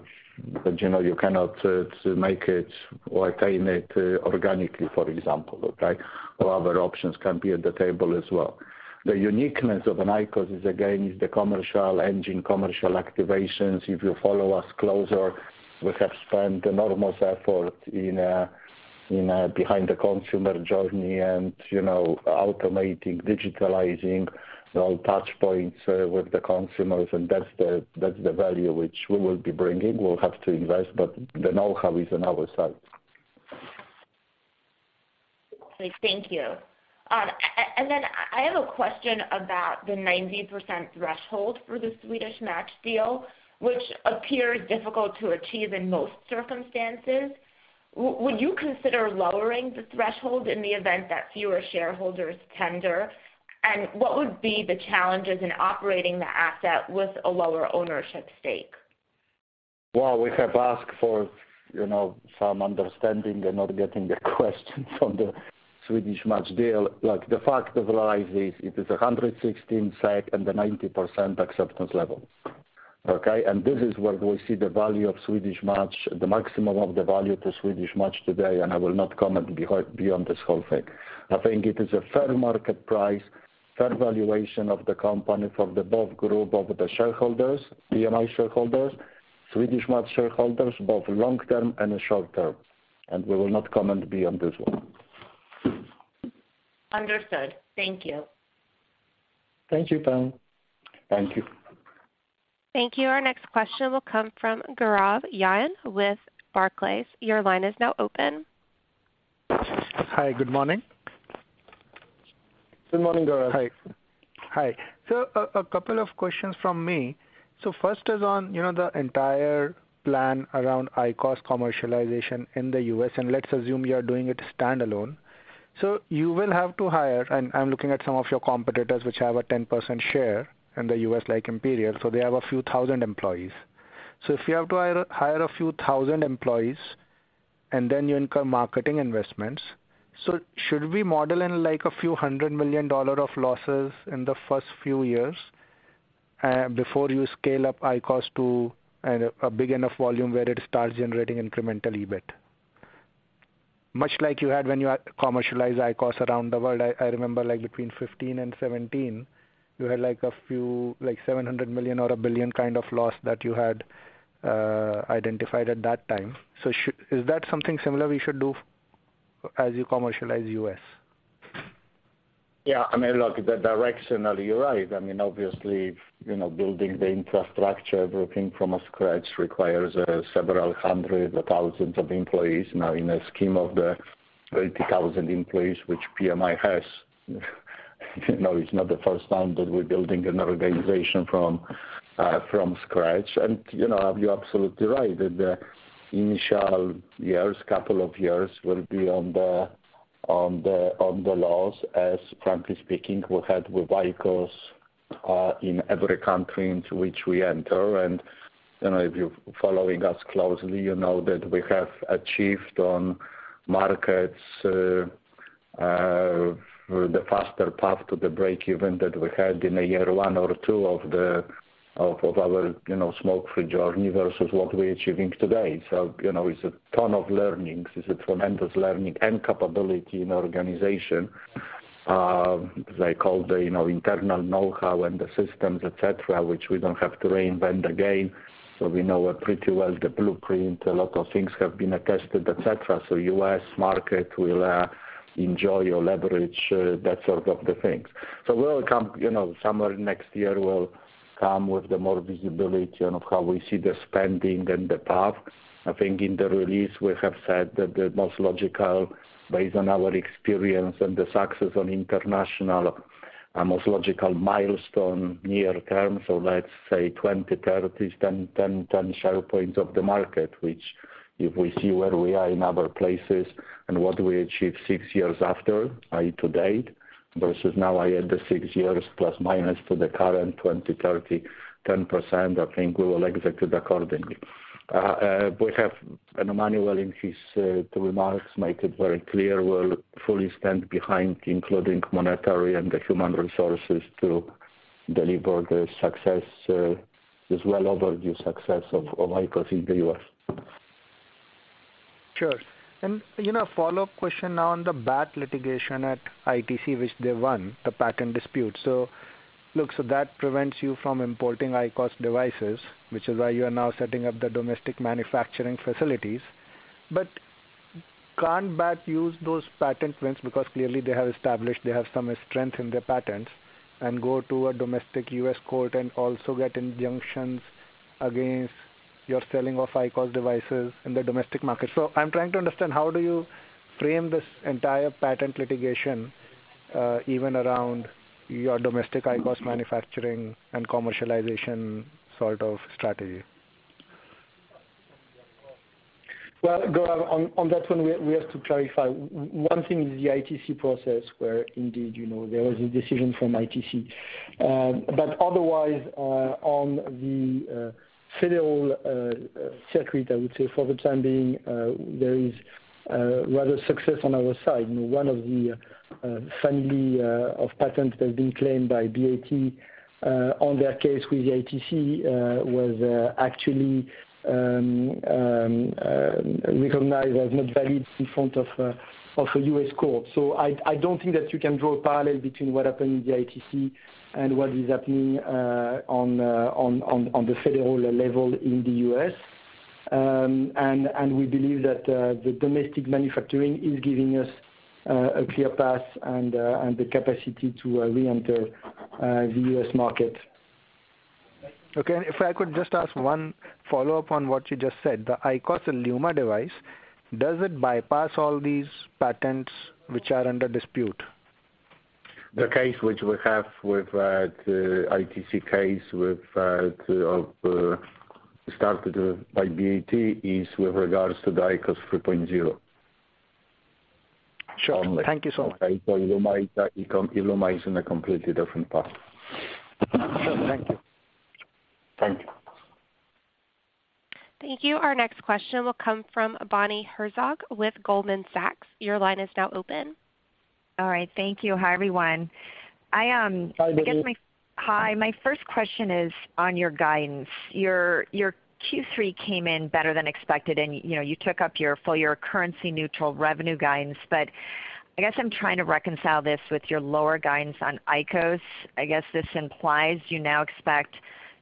Speaker 5: you know, you cannot to make it or attain it organically, for example, okay? Other options can be at the table as well. The uniqueness of an IQOS is, again, the commercial engine, commercial activations. If you follow us closer, we have spent enormous effort in behind the consumer journey and, you know, automating, digitalizing all touchpoints with the consumers, and that's the value which we will be bringing. We'll have to invest, but the know-how is on our side.
Speaker 6: Thank you. I have a question about the 90% threshold for the Swedish Match deal, which appears difficult to achieve in most circumstances. Would you consider lowering the threshold in the event that fewer shareholders tender? What would be the challenges in operating the asset with a lower ownership stake?
Speaker 5: Well, we have asked for, you know, some understanding and not getting the question from the Swedish Match deal. Like, the fact of life is it is 116 SEK and the 90% acceptance level, okay? This is where we see the value of Swedish Match, the maximum of the value to Swedish Match today, and I will not comment beyond this whole thing. I think it is a fair market price, fair valuation of the company from the both group of the shareholders, PMI shareholders, Swedish Match shareholders, both long-term and short-term, and we will not comment beyond this one.
Speaker 6: Understood. Thank you.
Speaker 5: Thank you, Pam.
Speaker 3: Thank you.
Speaker 1: Thank you. Our next question will come from Gaurav Jain with Barclays. Your line is now open.
Speaker 7: Hi, good morning.
Speaker 5: Good morning, Gaurav.
Speaker 7: Hi. Hi. A couple of questions from me. First is on, you know, the entire plan around IQOS commercialization in the U.S., and let's assume you are doing it standalone. You will have to hire, and I'm looking at some of your competitors which have a 10% share in the U.S. like Imperial, so they have a few thousand employees. If you have to hire a few thousand employees and then you incur marketing investments, so should we model in, like, $ a few hundred million of losses in the first few years before you scale up IQOS to a big enough volume where it starts generating incremental EBIT? Much like you had when you commercialized IQOS around the world. I remember, like, between 2015 and 2017, you had, like, a few, like, $700 million or $1 billion kind of loss that you had identified at that time. Is that something similar we should do as you commercialize U.S.?
Speaker 5: Yeah, I mean, look, directionally, you're right. I mean, obviously, you know, building the infrastructure, everything from scratch requires several hundred or thousands of employees. Now, in the scheme of the 30,000 employees which PMI has, you know, it's not the first time that we're building an organization from scratch. You know, you're absolutely right. In the initial years, couple of years will be at a loss as frankly speaking, we had with IQOS in every country into which we enter. You know, if you're following us closely, you know that we have achieved on markets the faster path to the break-even that we had in a year one or two of our smoke-free journey versus what we're achieving today. You know, it's a ton of learnings. It's a tremendous learning and capability in organization. They call the, you know, internal know-how and the systems, et cetera, which we don't have to reinvent again. We know it pretty well, the blueprint, a lot of things have been tested, et cetera. U.S. market will enjoy or leverage that sort of the things. We'll come, you know, somewhere next year, we'll come with the more visibility on how we see the spending and the path. I think in the release, we have said that the most logical, based on our experience and the success on international, our most logical milestone near term. Let's say 2030 is 10, 10 share points of the market, which if we see where we are in other places and what we achieve 6 years after, i.e., to date, versus now I add the 6 years plus minus to the current 2030, 10%, I think we will execute accordingly. We have and Emmanuel Babeau in his remarks make it very clear we'll fully stand behind, including monetary and the human resources to deliver the success, this well-overdue success of IQOS in the U.S.
Speaker 7: Sure. You know, a follow-up question now on the BAT litigation at ITC, which they won, the patent dispute. Look, so that prevents you from importing IQOS devices, which is why you are now setting up the domestic manufacturing facilities. Can't BAT use those patent wins because clearly they have established they have some strength in their patents and go to a domestic U.S. court and also get injunctions against your selling of IQOS devices in the domestic market? I'm trying to understand how do you frame this entire patent litigation, even around your domestic IQOS manufacturing and commercialization sort of strategy?
Speaker 3: Well, Gaurav, on that one, we have to clarify. One thing is the ITC process where indeed, you know, there is a decision from ITC. But otherwise, on the federal circuit, I would say for the time being, there is rather success on our side. You know, one of the family of patents that have been claimed by BAT on their case with the ITC was actually recognized as not valid in front of a U.S. court. I don't think that you can draw a parallel between what happened in the ITC and what is happening on the federal level in the U.S. We believe that the domestic manufacturing is giving us a clear path and the capacity to reenter the U.S. market.
Speaker 7: Okay. If I could just ask one follow-up on what you just said. The IQOS ILUMA device, does it bypass all these patents which are under dispute?
Speaker 5: The case which we have with the ITC case started by BAT is with regards to the IQOS 3.0.
Speaker 7: Sure. Thank you so much.
Speaker 5: Okay. ILUMA is in a completely different path.
Speaker 7: Sure. Thank you.
Speaker 5: Thank you.
Speaker 1: Thank you. Our next question will come from Bonnie Herzog with Goldman Sachs. Your line is now open.
Speaker 8: All right. Thank you. Hi, everyone. I
Speaker 3: Hi, Bonnie.
Speaker 8: Hi. My first question is on your guidance. Your Q3 came in better than expected, and you know, you took up your full year currency neutral revenue guidance. I guess I'm trying to reconcile this with your lower guidance on IQOS. I guess this implies you now expect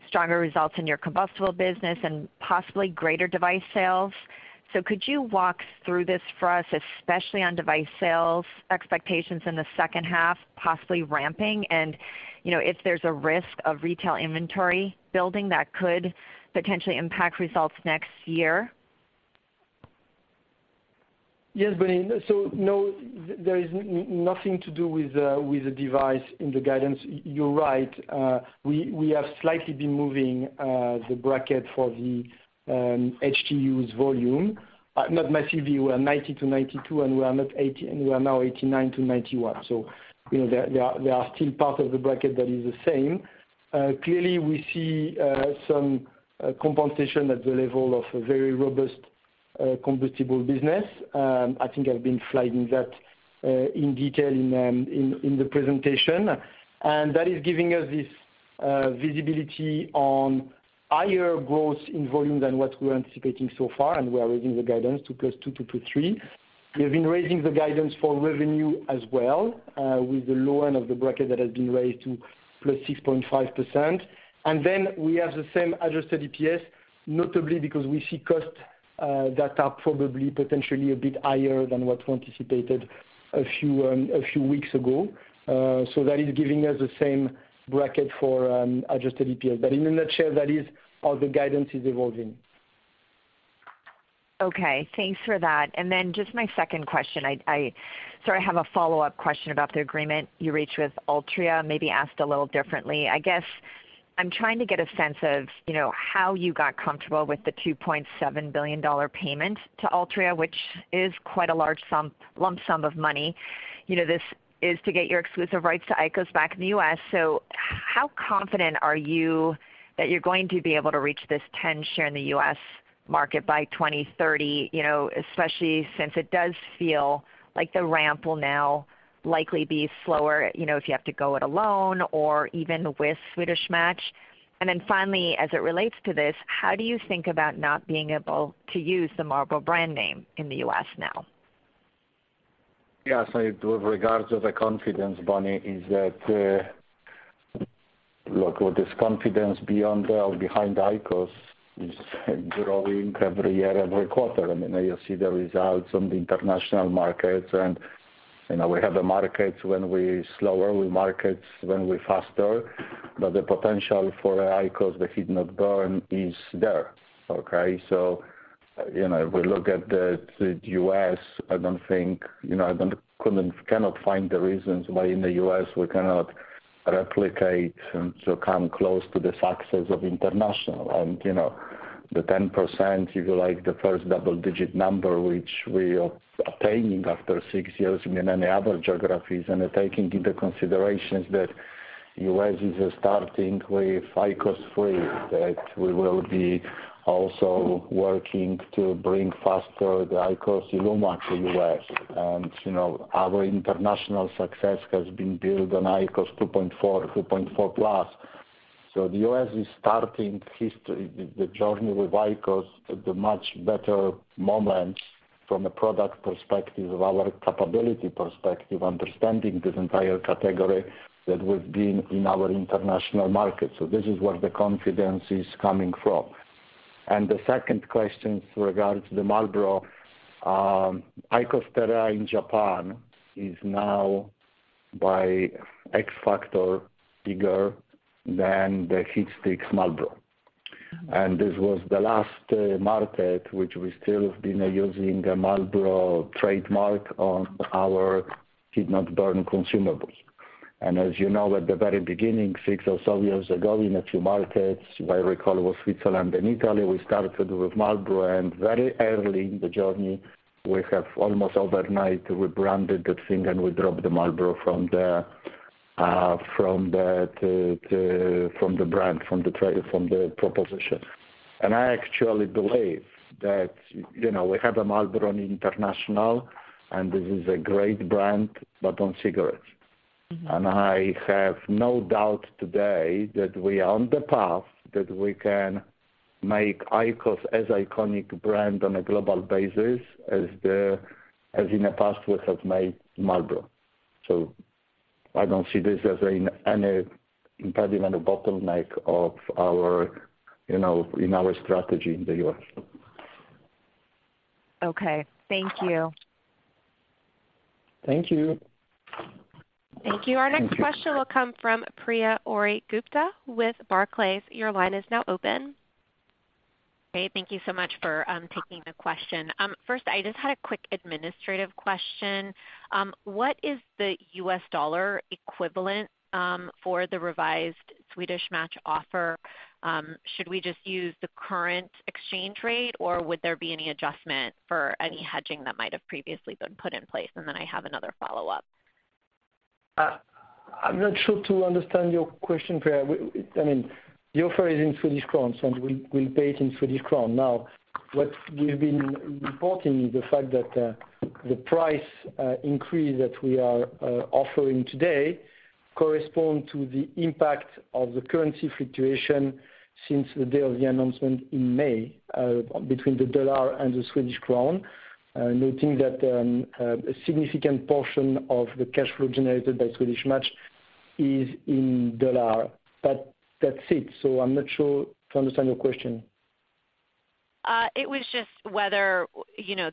Speaker 8: stronger results in your combustible business and possibly greater device sales. Could you walk through this for us, especially on device sales expectations in the second half, possibly ramping? You know, if there's a risk of retail inventory building that could potentially impact results next year?
Speaker 3: Yes, Bonnie. No, there is nothing to do with the device in the guidance. You're right. We have slightly been moving the bracket for the HTUs volume. Not massively. We were 90-92, and we are now 89-91. You know, there are still part of the bracket that is the same. Clearly, we see some compensation at the level of a very robust combustible business. I think I've been flagging that in detail in the presentation. That is giving us this visibility on higher growth in volume than what we were anticipating so far, and we are raising the guidance to +2%-+3%. We have been raising the guidance for revenue as well, with the low end of the bracket that has been raised to +6.5%. Then we have the same adjusted EPS, notably because we see costs that are probably potentially a bit higher than what we anticipated a few weeks ago. That is giving us the same bracket for adjusted EPS. In a nutshell, that is how the guidance is evolving.
Speaker 8: Okay, thanks for that. Just my second question. I sort of have a follow-up question about the agreement you reached with Altria, maybe asked a little differently. I guess I'm trying to get a sense of, you know, how you got comfortable with the $2.7 billion payment to Altria, which is quite a large sum, lump sum of money. You know, this is to get your exclusive rights to IQOS back in the U.S. How confident are you that you're going to be able to reach this 10% share in the U.S. market by 2030, you know, especially since it does feel like the ramp will now likely be slower, you know, if you have to go it alone or even with Swedish Match. Finally, as it relates to this, how do you think about not being able to use the Marlboro brand name in the U.S. now?
Speaker 5: With regards to the confidence, Bonnie, look, with this confidence behind IQOS is growing every year, every quarter. I mean, you see the results on the international markets and, you know, we have the markets when we're slower, we have markets when we're faster. The potential for IQOS, the heat-not-burn, is there, okay? You know, if we look at the U.S., I don't think, you know, I cannot find the reasons why in the U.S. we cannot replicate and come close to the success internationally. You know, the 10%, if you like, the first double-digit number, which we are attaining after six years in any other geographies, and taking into consideration that U.S. is starting with IQOS 3, that we will be also working to bring faster the IQOS ILUMA to U.S. You know, our international success has been built on IQOS 2.4, 2.4 Plus. The US is starting history, the journey with IQOS at a much better moment from a product perspective, of our capability perspective, understanding this entire category that we've been in our international markets. This is where the confidence is coming from. The second question with regards to the Marlboro, IQOS TEREA in Japan is now by X factor bigger than the HeatSticks Marlboro. This was the last, market which we still have been using the Marlboro trademark on our heat-not-burn consumables. As you know, at the very beginning, six or so years ago, in a few markets, if I recall, was Switzerland and Italy, we started with Marlboro. Very early in the journey we have almost overnight rebranded the thing and we dropped the Marlboro from the brand, from the trade, from the proposition. I actually believe that, you know, we have a Marlboro in international, and this is a great brand, but on cigarettes. I have no doubt today that we are on the path that we can make IQOS as iconic brand on a global basis as in the past we have made Marlboro. I don't see this as any impediment or bottleneck of our, you know, in our strategy in the U.S.
Speaker 8: Okay, thank you.
Speaker 5: Thank you.
Speaker 3: Thank you.
Speaker 8: Thank you. Our next question will come from Priya Ohri-Gupta with Barclays. Your line is now open.
Speaker 9: Hey, thank you so much for taking the question. First, I just had a quick administrative question. What is the U.S. dollar equivalent for the revised Swedish Match offer? Should we just use the current exchange rate, or would there be any adjustment for any hedging that might have previously been put in place? Then I have another follow-up.
Speaker 3: I'm not sure to understand your question, Priya. I mean, the offer is in Swedish krona, so we'll pay it in Swedish krona. Now, what we've been reporting is the fact that the price increase that we are offering today correspond to the impact of the currency fluctuation since the day of the announcement in May between the dollar and the Swedish krona. Noting that a significant portion of the cash flow generated by Swedish Match is in dollar. That's it. I'm not sure to understand your question.
Speaker 9: It was just whether, you know,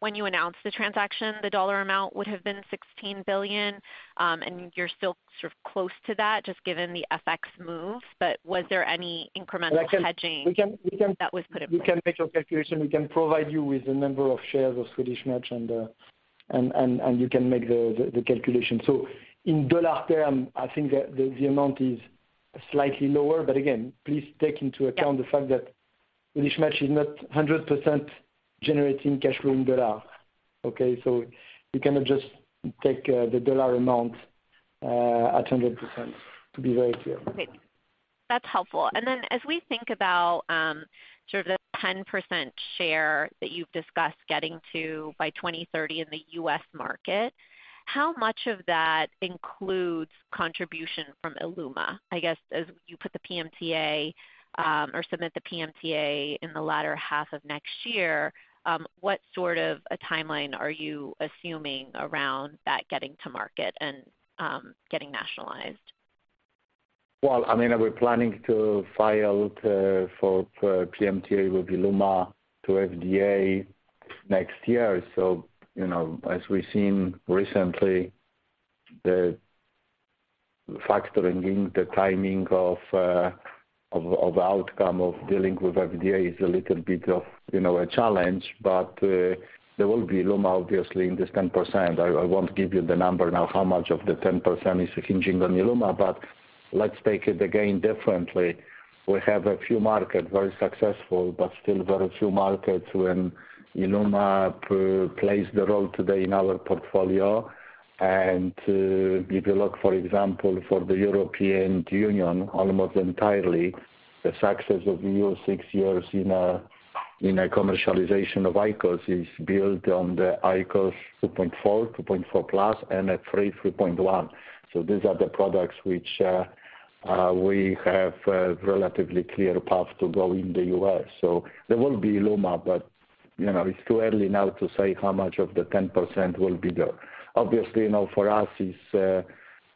Speaker 9: when you announced the transaction, the dollar amount would have been $16 billion, and you're still sort of close to that just given the FX move. Was there any incremental hedging?
Speaker 3: We can.
Speaker 9: That was put in place?
Speaker 3: We can make your calculation. We can provide you with the number of shares of Swedish Match and you can make the calculation. In dollar terms, I think the amount is slightly lower. Please take into account the fact that Swedish Match is not 100% generating cash flow in dollars, okay? You cannot just take the dollar amount at 100%, to be very clear.
Speaker 9: That's helpful. As we think about sort of the 10% share that you've discussed getting to by 2030 in the U.S. market, how much of that includes contribution from ILUMA? I guess as you put the PMTA or submit the PMTA in the latter half of next year, what sort of a timeline are you assuming around that getting to market and getting authorized?
Speaker 5: Well, I mean, we're planning to file for PMTA with ILUMA to FDA next year. So, you know, as we've seen recently, the factoring in the timing of outcome of dealing with FDA is a little bit of, you know, a challenge, but there will be ILUMA obviously in this 10%. I won't give you the number now how much of the 10% is hinging on ILUMA, but let's take it again differently. We have a few markets, very successful, but still very few markets where ILUMA plays the role today in our portfolio. If you look, for example, for the European Union, almost entirely, the success of nearly six years in a commercialization of IQOS is built on the IQOS 2.4, 2.4 Plus and a 3.1. These are the products which we have a relatively clear path to go in the U.S. There will be ILUMA, but, you know, it's too early now to say how much of the 10% will be there. Obviously, you know, for us,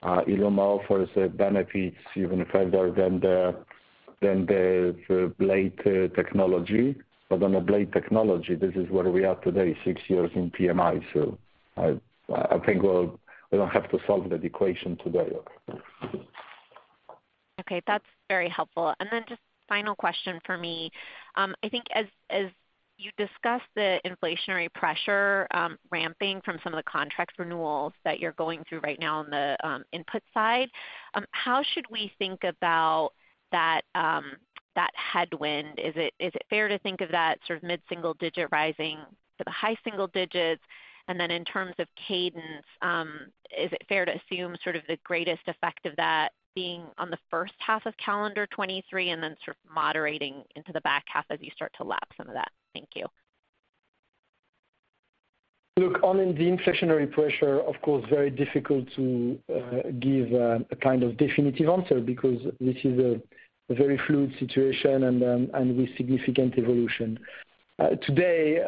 Speaker 5: ILUMA offers benefits even further than the blade technology. But on a blade technology, this is where we are today, six years in PMI. I think we don't have to solve that equation today.
Speaker 9: Okay, that's very helpful. Just final question for me. I think as you discussed the inflationary pressure ramping from some of the contract renewals that you're going through right now on the input side, how should we think about that headwind? Is it fair to think of that sort of mid-single digit rising to the high single digits? In terms of cadence, is it fair to assume sort of the greatest effect of that being on the first half of calendar 2023, and then sort of moderating into the back half as you start to lap some of that? Thank you.
Speaker 3: Look, on the inflationary pressure, of course very difficult to give a kind of definitive answer because this is a very fluid situation and with significant evolution. Today,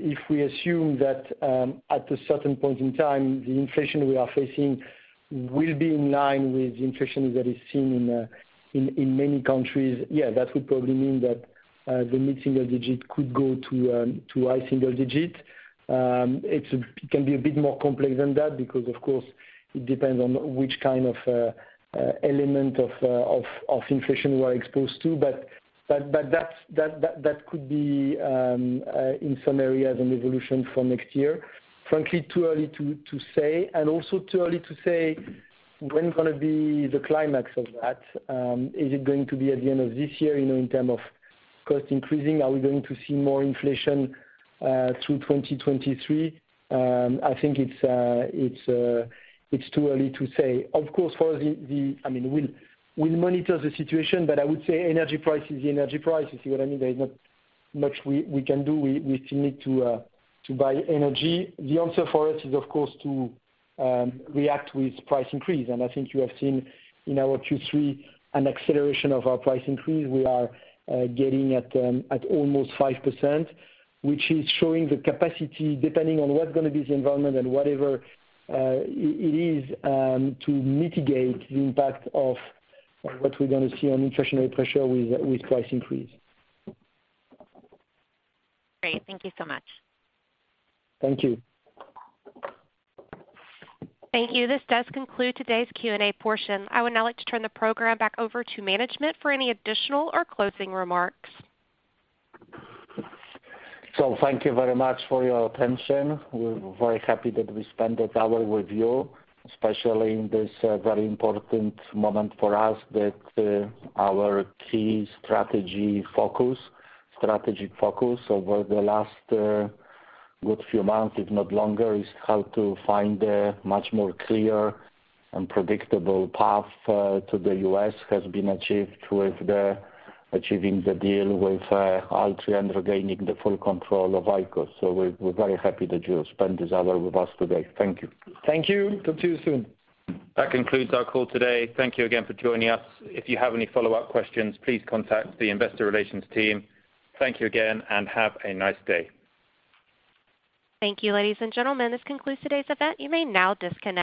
Speaker 3: if we assume that at a certain point in time, the inflation we are facing will be in line with the inflation that is seen in many countries. Yeah, that would probably mean that the mid-single digit could go to high single digits. It can be a bit more complex than that because of course, it depends on which kind of element of inflation we're exposed to. That could be in some areas an evolution for next year. Frankly, too early to say, and also too early to say when gonna be the climax of that. Is it going to be at the end of this year, you know, in terms of cost increasing? Are we going to see more inflation through 2023? I think it's too early to say. Of course, I mean, we'll monitor the situation, but I would say energy price is the energy price. You see what I mean? There is not much we can do. We still need to buy energy. The answer for it is of course to react with price increase. I think you have seen in our Q3 an acceleration of our price increase. We are getting at almost 5%, which is showing the capacity, depending on what's gonna be the environment and whatever it is, to mitigate the impact of what we're gonna see on inflationary pressure with price increase.
Speaker 9: Great. Thank you so much.
Speaker 3: Thank you.
Speaker 1: Thank you. This does conclude today's Q&A portion. I would now like to turn the program back over to management for any additional or closing remarks.
Speaker 5: Thank you very much for your attention. We're very happy that we spent this hour with you, especially in this very important moment for us, that our key strategic focus over the last good few months, if not longer, is how to find a much more clear and predictable path to the U.S. has been achieved with achieving the deal with Altria and regaining the full control of IQOS. We're very happy that you spent this hour with us today. Thank you.
Speaker 3: Thank you. Talk to you soon.
Speaker 2: That concludes our call today. Thank you again for joining us. If you have any follow-up questions, please contact the investor relations team. Thank you again, and have a nice day.
Speaker 1: Thank you, ladies and gentlemen. This concludes today's event. You may now disconnect.